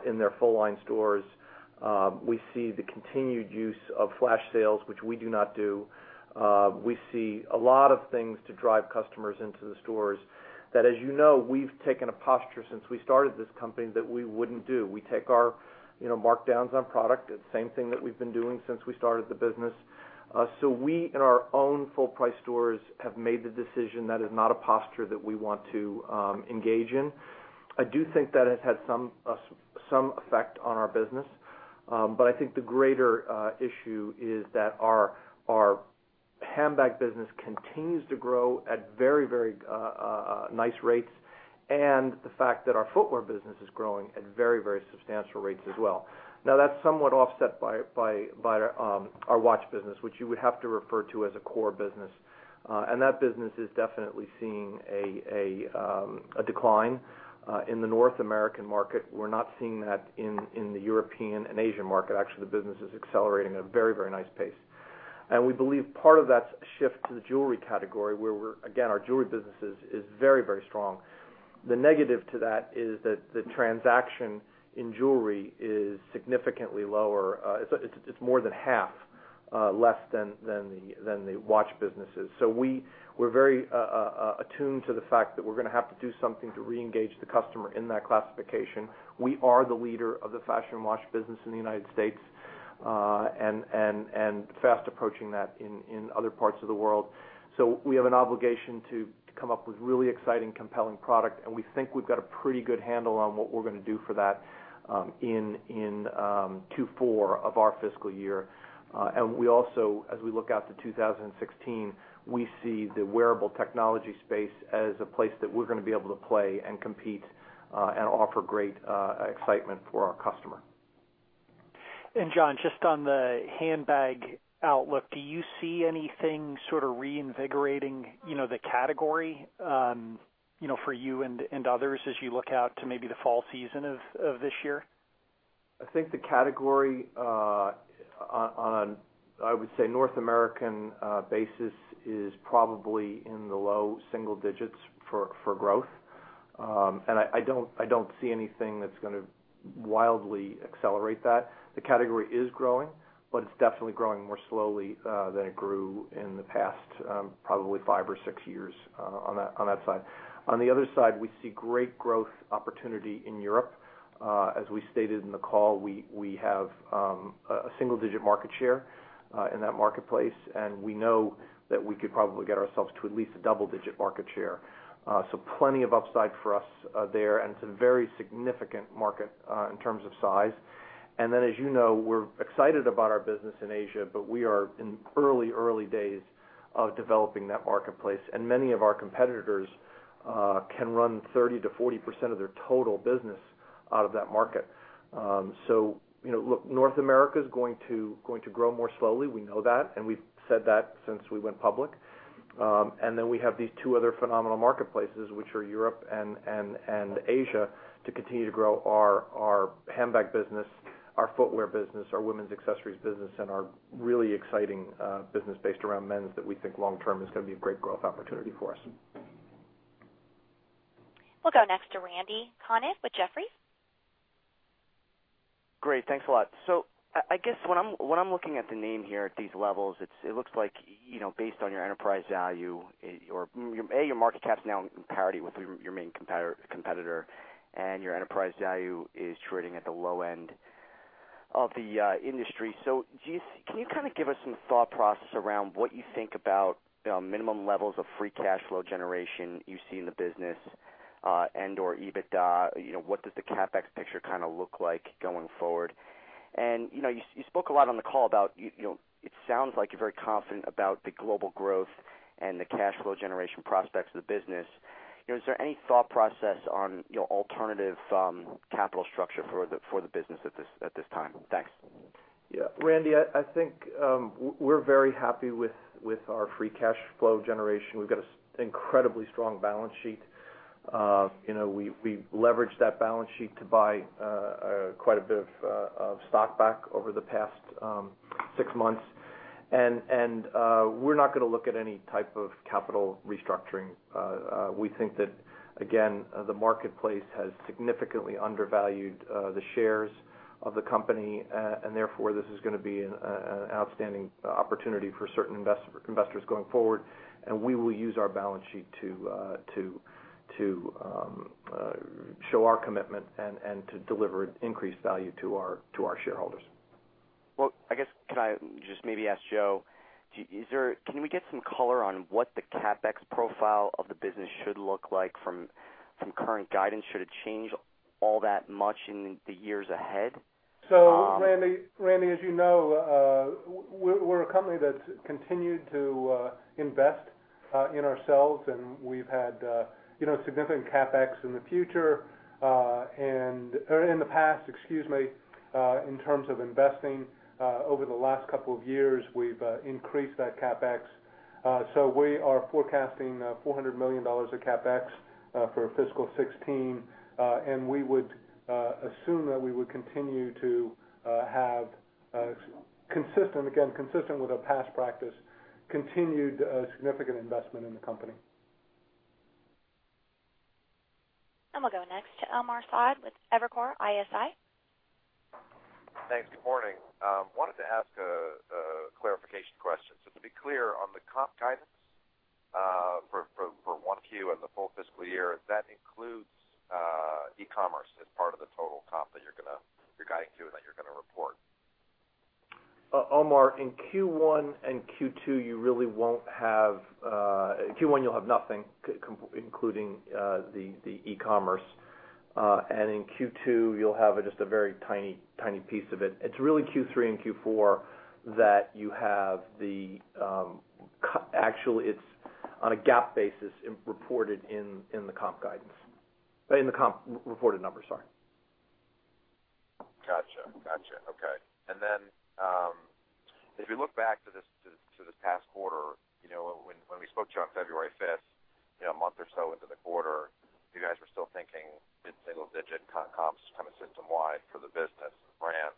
in their full-line stores. We see the continued use of flash sales, which we do not do. We see a lot of things to drive customers into the stores that, as you know, we've taken a posture since we started this company that we wouldn't do. We take our markdowns on product, the same thing that we've been doing since we started the business. We, in our own full-price stores, have made the decision that is not a posture that we want to engage in. I do think that it had some effect on our business. I think the greater issue is that our handbag business continues to grow at very nice rates, and the fact that our footwear business is growing at very substantial rates as well. Now, that's somewhat offset by our watch business, which you would have to refer to as a core business. That business is definitely seeing a decline in the North American market. We're not seeing that in the European and Asian market. Actually, the business is accelerating at a very nice pace. We believe part of that shift to the jewelry category where, again, our jewelry business is very strong. The negative to that is that the transaction in jewelry is significantly lower. It's more than half less than the watch business is. We're very attuned to the fact that we're going to have to do something to reengage the customer in that classification. We are the leader of the fashion watch business in the U.S. and fast approaching that in other parts of the world. We have an obligation to come up with really exciting, compelling product, and we think we've got a pretty good handle on what we're going to do for that in Q4 of our fiscal year. We also, as we look out to 2016, we see the wearable technology space as a place that we're going to be able to play and compete and offer great excitement for our customer. John, just on the handbag outlook, do you see anything sort of reinvigorating the category for you and others as you look out to maybe the fall season of this year? I think the category on, I would say, North American basis is probably in the low single digits for growth. I don't see anything that's going to wildly accelerate that. The category is growing, but it's definitely growing more slowly than it grew in the past probably five or six years on that side. On the other side, we see great growth opportunity in Europe. As we stated in the call, we have a single-digit market share in that marketplace, and we know that we could probably get ourselves to at least a double-digit market share. Plenty of upside for us there, and it's a very significant market in terms of size. As you know, we're excited about our business in Asia, but we are in early days of developing that marketplace, and many of our competitors can run 30%-40% of their total business out of that market. North America is going to grow more slowly. We know that, and we've said that since we went public. We have these two other phenomenal marketplaces, which are Europe and Asia, to continue to grow our handbag business, our footwear business, our women's accessories business, and our really exciting business based around men's that we think long term is going to be a great growth opportunity for us. We'll go next to Randal Konik with Jefferies. Great. Thanks a lot. I guess when I'm looking at the name here at these levels, it looks like, based on your enterprise value, your market cap's now in parity with your main competitor, and your enterprise value is trading at the low end of the industry. Can you give us some thought process around what you think about minimum levels of free cash flow generation you see in the business, and/or EBITDA? What does the CapEx picture look like going forward? You spoke a lot on the call about, it sounds like you're very confident about the global growth and the cash flow generation prospects of the business. Is there any thought process on alternative capital structure for the business at this time? Thanks. Yeah, Randy, I think we're very happy with our free cash flow generation. We've got an incredibly strong balance sheet. We've leveraged that balance sheet to buy quite a bit of stock back over the past six months. We're not going to look at any type of capital restructuring. We think that, again, the marketplace has significantly undervalued the shares of the company, and therefore this is going to be an outstanding opportunity for certain investors going forward, and we will use our balance sheet to show our commitment and to deliver increased value to our shareholders. Well, I guess, could I just maybe ask Joe, can we get some color on what the CapEx profile of the business should look like from current guidance? Should it change all that much in the years ahead? Randy, as you know, we're a company that's continued to invest in ourselves, and we've had significant CapEx in the past, in terms of investing. Over the last couple of years, we've increased that CapEx. We are forecasting $400 million of CapEx for fiscal 2016. We would assume that we would continue to have, again, consistent with our past practice, continued significant investment in the company. We'll go next to Omar Saad with Evercore ISI. Thanks. Good morning. Wanted to ask a clarification question. To be clear on the comp guidance for 1Q and the full fiscal year, that includes e-commerce as part of the total comp that you're guiding to and that you're going to report. Omar, in Q1, you'll have nothing including the e-commerce. In Q2, you'll have just a very tiny piece of it. It's really Q3 and Q4 that you have. Actually, it's on a GAAP basis reported in the comp guidance. In the comp reported numbers, sorry. Got you. Okay. If you look back to this past quarter, when we spoke to you on February 5th, a month or so into the quarter, you guys were still thinking mid-single digit comps system-wide for the business brand.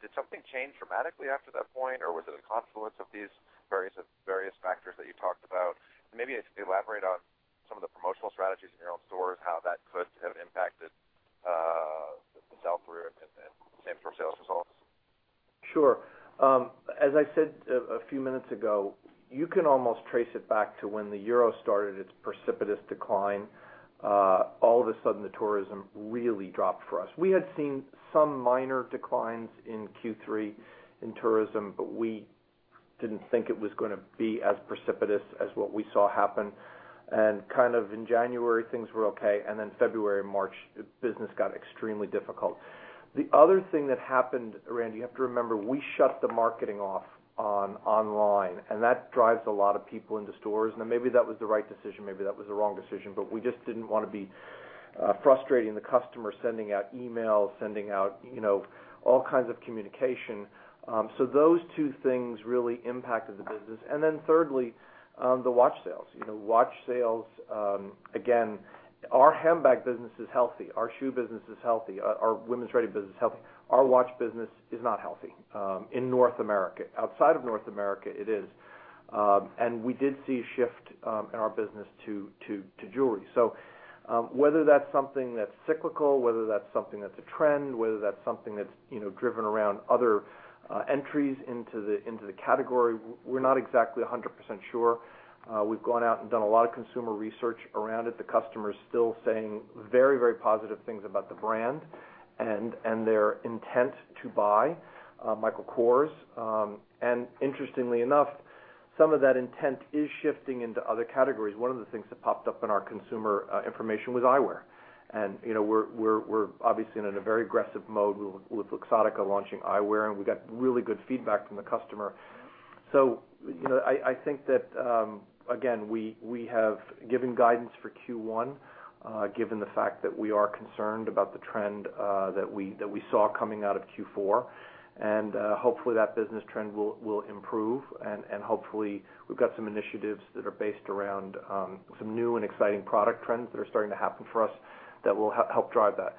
Did something change dramatically after that point, or was it a confluence of these various factors that you talked about? Maybe elaborate on some of the promotional strategies in your own stores, how that could have impacted the same store sales results. Sure. As I said a few minutes ago, you can almost trace it back to when the euro started its precipitous decline. The tourism really dropped for us. We had seen some minor declines in Q3 in tourism, we didn't think it was going to be as precipitous as what we saw happen, and kind of in January, things were okay. February, March, business got extremely difficult. The other thing that happened, Randy, you have to remember, we shut the marketing off online, and that drives a lot of people into stores. Maybe that was the right decision, maybe that was the wrong decision, but we just didn't want to be frustrating the customer, sending out emails, sending out all kinds of communication. Those two things really impacted the business. Thirdly, the watch sales. Our handbag business is healthy. Our shoe business is healthy. Our women's ready business is healthy. Our watch business is not healthy in North America. Outside of North America, it is. We did see a shift in our business to jewelry. Whether that's something that's cyclical, whether that's something that's a trend, whether that's something that's driven around other entries into the category, we're not exactly 100% sure. We've gone out and done a lot of consumer research around it. The customer is still saying very positive things about the brand and their intent to buy Michael Kors. Interestingly enough, some of that intent is shifting into other categories. One of the things that popped up in our consumer information was eyewear. We're obviously in a very aggressive mode with Luxottica launching eyewear, and we got really good feedback from the customer. I think that, again, we have given guidance for Q1, given the fact that we are concerned about the trend that we saw coming out of Q4. Hopefully, that business trend will improve. Hopefully, we've got some initiatives that are based around some new and exciting product trends that are starting to happen for us that will help drive that.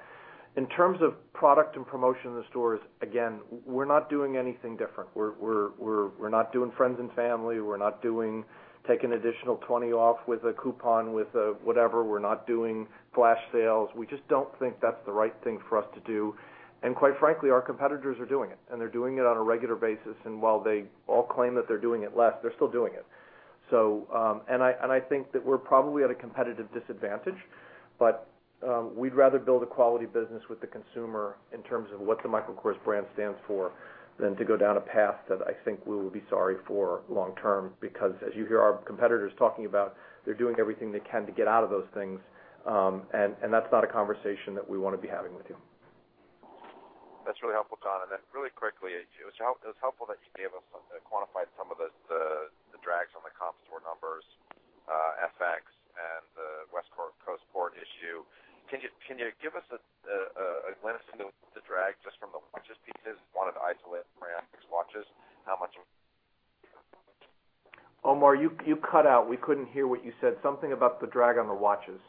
In terms of product and promotion in the stores, again, we're not doing anything different. We're not doing friends and family. We're not doing take an additional 20 off with a coupon, with whatever. We're not doing flash sales. We just don't think that's the right thing for us to do. Quite frankly, our competitors are doing it, and they're doing it on a regular basis. While they all claim that they're doing it less, they're still doing it. I think that we're probably at a competitive disadvantage, but we'd rather build a quality business with the consumer in terms of what the Michael Kors brand stands for than to go down a path that I think we will be sorry for long term because as you hear our competitors talking about, they're doing everything they can to get out of those things. That's not a conversation that we want to be having with you. That's really helpful, John. Then really quickly, it was helpful that you gave us, quantified some of the drags on the comp store numbers, FX and the West Coast port issue. Can you give us a glimpse into the drag just from the watches pieces? Wanted to isolate from FX watches, how much- Omar, you cut out. We couldn't hear what you said. Something about the drag on the watches.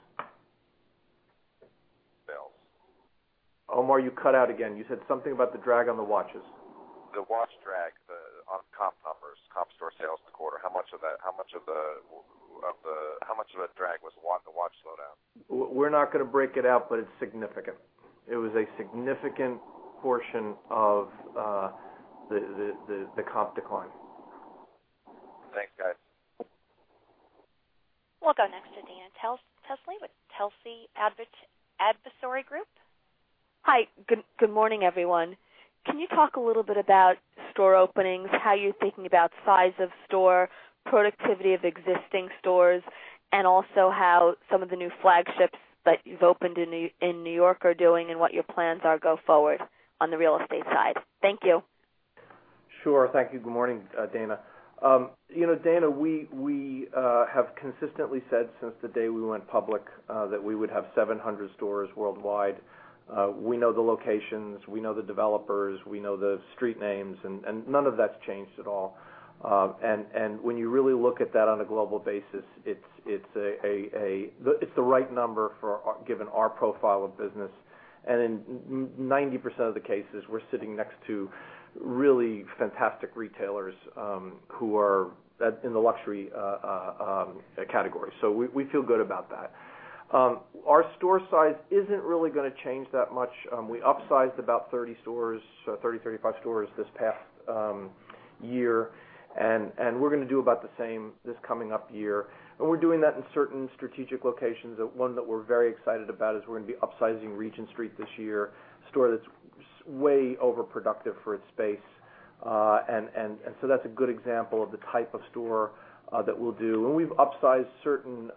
Sales. Omar, you cut out again. You said something about the drag on the watches. The watch drag on comp numbers, comp store sales quarter. How much of that drag was the watch slowdown? We're not going to break it out, but it's significant. It was a significant portion of the comp decline. Thanks, guys. We'll go next to Dana Telsey with Telsey Advisory Group. Hi. Good morning, everyone. Can you talk a little bit about store openings, how you're thinking about size of store, productivity of existing stores, and also how some of the new flagships that you've opened in New York are doing and what your plans are go forward on the real estate side. Thank you. Sure. Thank you. Good morning, Dana. Dana, we have consistently said since the day we went public, that we would have 700 stores worldwide. We know the locations, we know the developers, we know the street names, none of that's changed at all. When you really look at that on a global basis, it's the right number given our profile of business. In 90% of the cases, we're sitting next to really fantastic retailers who are in the luxury category. We feel good about that. Our store size isn't really going to change that much. We upsized about 30 stores, 30, 35 stores this past year, and we're going to do about the same this coming up year. We're doing that in certain strategic locations. One that we're very excited about is we're going to be upsizing Regent Street this year, a store that's way over-productive for its space. That's a good example of the type of store that we'll do. We've upsized certain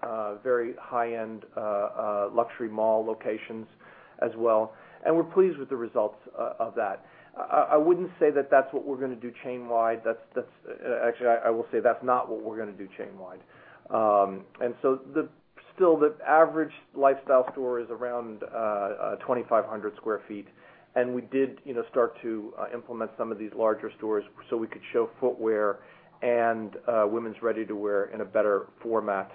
very high-end luxury mall locations as well. We're pleased with the results of that. I wouldn't say that that's what we're going to do chain-wide. Actually, I will say that's not what we're going to do chain-wide. Still, the average lifestyle store is around 2,500 sq ft, and we did start to implement some of these larger stores so we could show footwear and women's ready-to-wear in a better format.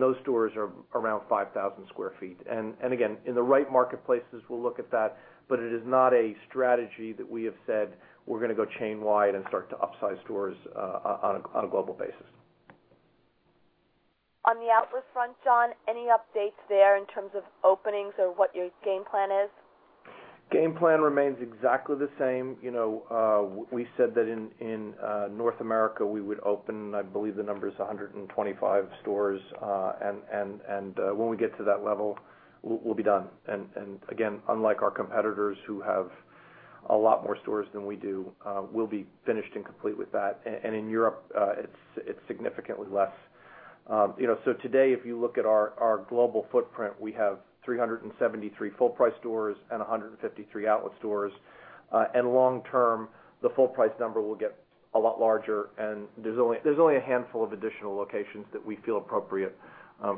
Those stores are around 5,000 sq ft. Again, in the right marketplaces, we'll look at that, but it is not a strategy that we have said we're going to go chain-wide and start to upsize stores on a global basis. On the outlet front, John, any updates there in terms of openings or what your game plan is? Game plan remains exactly the same. We said that in North America, we would open, I believe the number is 125 stores. When we get to that level, we'll be done. Again, unlike our competitors who have a lot more stores than we do, we'll be finished and complete with that. In Europe, it's significantly less. Today, if you look at our global footprint, we have 373 full price stores and 153 outlet stores. Long term, the full price number will get a lot larger, and there's only a handful of additional locations that we feel appropriate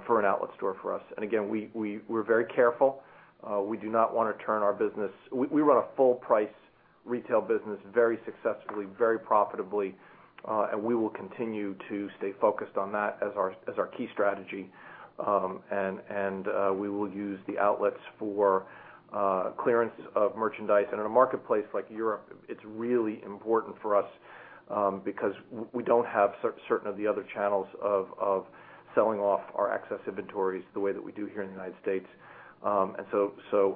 for an outlet store for us. Again, we're very careful. We do not want to turn our business. We run a full-price retail business very successfully, very profitably, and we will continue to stay focused on that as our key strategy. We will use the outlets for clearance of merchandise. In a marketplace like Europe, it's really important for us because we don't have certain of the other channels of selling off our excess inventories the way that we do here in the U.S.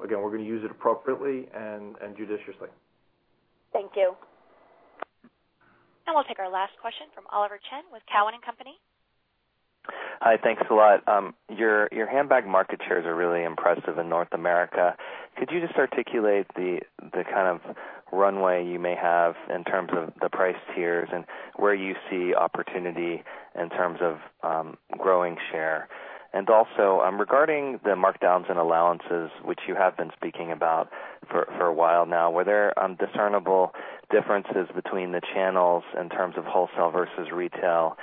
Again, we're going to use it appropriately and judiciously. Thank you. We'll take our last question from Oliver Chen with Cowen and Company. Hi, thanks a lot. Your handbag market shares are really impressive in North America. Could you just articulate the kind of runway you may have in terms of the price tiers and where you see opportunity in terms of growing share? Also, regarding the markdowns and allowances, which you have been speaking about for a while now, were there discernible differences between the channels in terms of wholesale versus retail?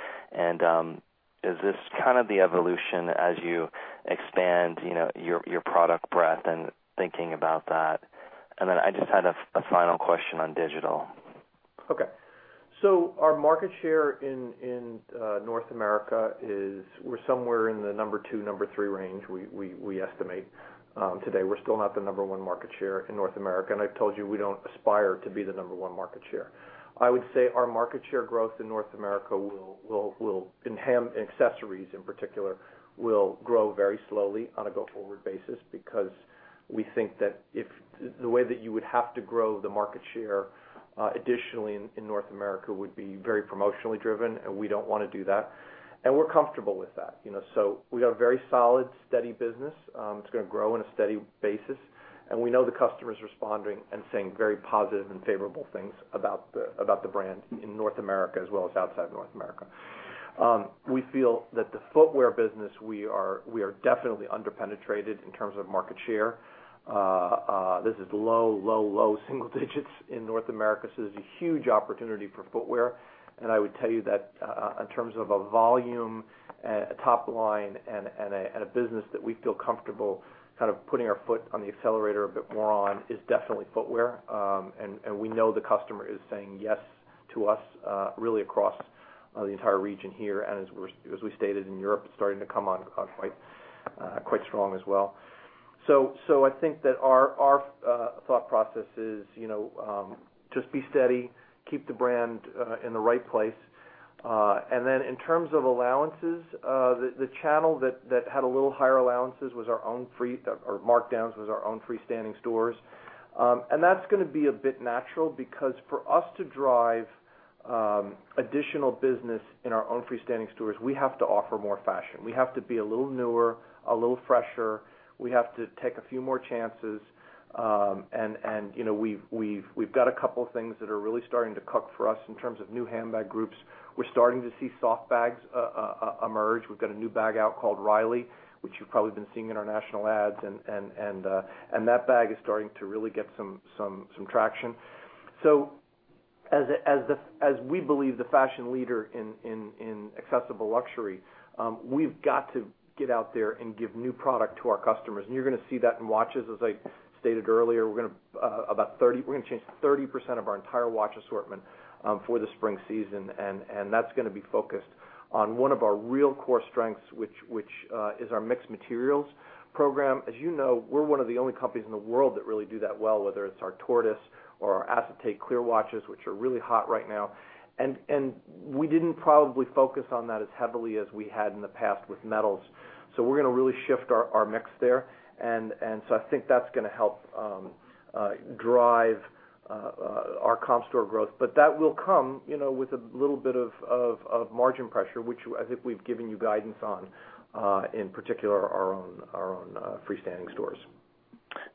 Is this kind of the evolution as you expand your product breadth and thinking about that? Then I just had a final question on digital. Okay. Our market share in North America is, we're somewhere in the number 2, number 3 range, we estimate today. We're still not the number 1 market share in North America. I've told you we don't aspire to be the number 1 market share. I would say our market share growth in North America will, in accessories in particular, will grow very slowly on a go-forward basis because we think that if the way that you would have to grow the market share additionally in North America would be very promotionally driven. We don't want to do that. We're comfortable with that. We have a very solid, steady business. It's going to grow on a steady basis, and we know the customer is responding and saying very positive and favorable things about the brand in North America as well as outside North America. We feel that the footwear business, we are definitely under-penetrated in terms of market share. This is low single digits in North America. There's a huge opportunity for footwear. I would tell you that in terms of a volume, a top line, and a business that we feel comfortable kind of putting our foot on the accelerator a bit more on is definitely footwear. We know the customer is saying yes to us really across the entire region here, and as we stated, in Europe, it's starting to come on quite strong as well. I think that our thought process is just be steady, keep the brand in the right place. Then in terms of allowances, the channel that had a little higher allowances was our own free- or markdowns was our own freestanding stores. That's going to be a bit natural because for us to drive additional business in our own freestanding stores, we have to offer more fashion. We have to be a little newer, a little fresher. We have to take a few more chances. We've got a couple things that are really starting to cook for us in terms of new handbag groups. We're starting to see soft bags emerge. We've got a new bag out called Riley, which you've probably been seeing in our national ads, and that bag is starting to really get some traction. As we believe the fashion leader in accessible luxury, we've got to get out there and give new product to our customers. You're going to see that in watches. As I stated earlier, we're going to change 30% of our entire watch assortment for the spring season, that's going to be focused on one of our real core strengths, which is our mixed materials program. As you know, we're one of the only companies in the world that really do that well, whether it's our tortoise or our acetate clear watches, which are really hot right now. We didn't probably focus on that as heavily as we had in the past with metals. We're going to really shift our mix there. I think that's going to help drive our comp store growth. That will come with a little bit of margin pressure, which I think we've given you guidance on, in particular our own freestanding stores.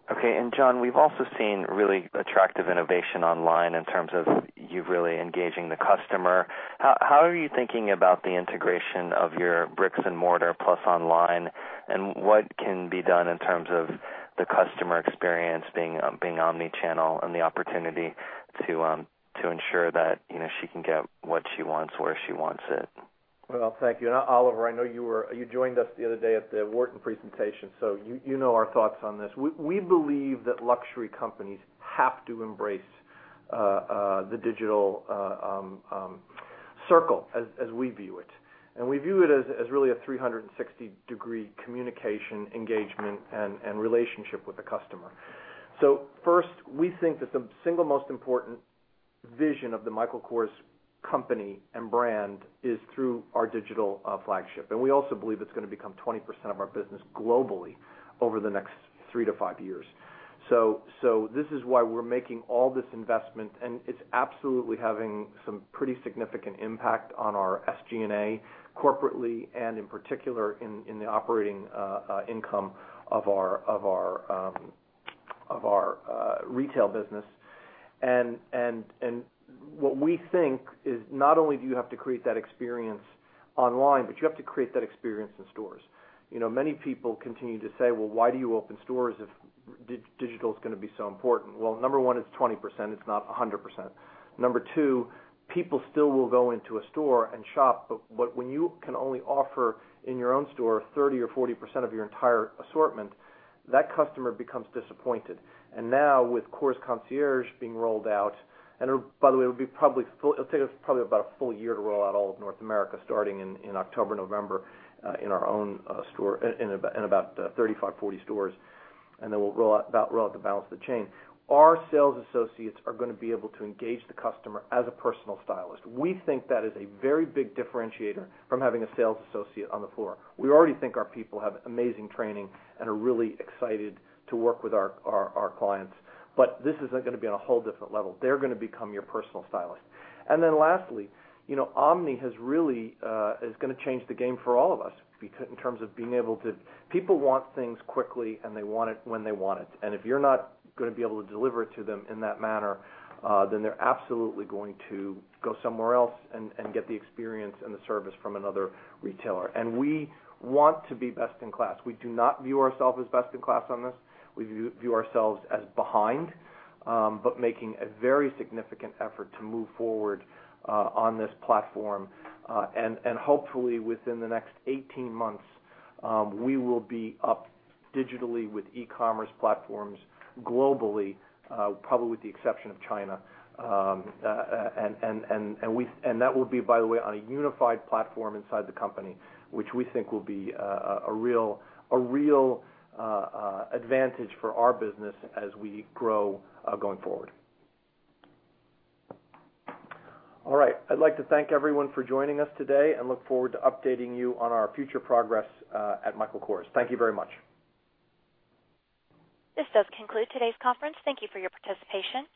Okay. John, we've also seen really attractive innovation online in terms of you really engaging the customer. How are you thinking about the integration of your bricks and mortar plus online, and what can be done in terms of the customer experience being omnichannel and the opportunity to ensure that she can get what she wants where she wants it? Well, thank you. Oliver, I know you joined us the other day at the Wharton presentation, you know our thoughts on this. We believe that luxury companies have to embrace the digital circle as we view it, and we view it as really a 360-degree communication engagement and relationship with the customer. First, we think that the single most important vision of the Michael Kors company and brand is through our digital flagship. We also believe it's going to become 20% of our business globally over the next 3-5 years. This is why we're making all this investment, and it's absolutely having some pretty significant impact on our SG&A corporately and in particular in the operating income of our retail business. What we think is not only do you have to create that experience online, but you have to create that experience in stores. Many people continue to say, "Well, why do you open stores if digital is going to be so important?" Number one, it's 20%, it's not 100%. Number two, people still will go into a store and shop. When you can only offer in your own store 30% or 40% of your entire assortment, that customer becomes disappointed. Now with Michael Kors Concierge being rolled out, by the way, it'll take us probably about a full year to roll out all of North America starting in October, November in about 35, 40 stores, then we'll roll out the balance of the chain. Our sales associates are going to be able to engage the customer as a personal stylist. We think that is a very big differentiator from having a sales associate on the floor. We already think our people have amazing training and are really excited to work with our clients. This is going to be on a whole different level. They're going to become your personal stylist. Lastly, omni is going to change the game for all of us in terms of being able to. People want things quickly, and they want it when they want it. If you're not going to be able to deliver it to them in that manner, then they're absolutely going to go somewhere else and get the experience and the service from another retailer. We want to be best in class. We do not view ourselves as best in class on this. We view ourselves as behind but making a very significant effort to move forward on this platform. Hopefully within the next 18 months, we will be up digitally with e-commerce platforms globally, probably with the exception of China. That will be, by the way, on a unified platform inside the company, which we think will be a real advantage for our business as we grow going forward. All right. I'd like to thank everyone for joining us today and look forward to updating you on our future progress at Michael Kors. Thank you very much. This does conclude today's conference. Thank you for your participation.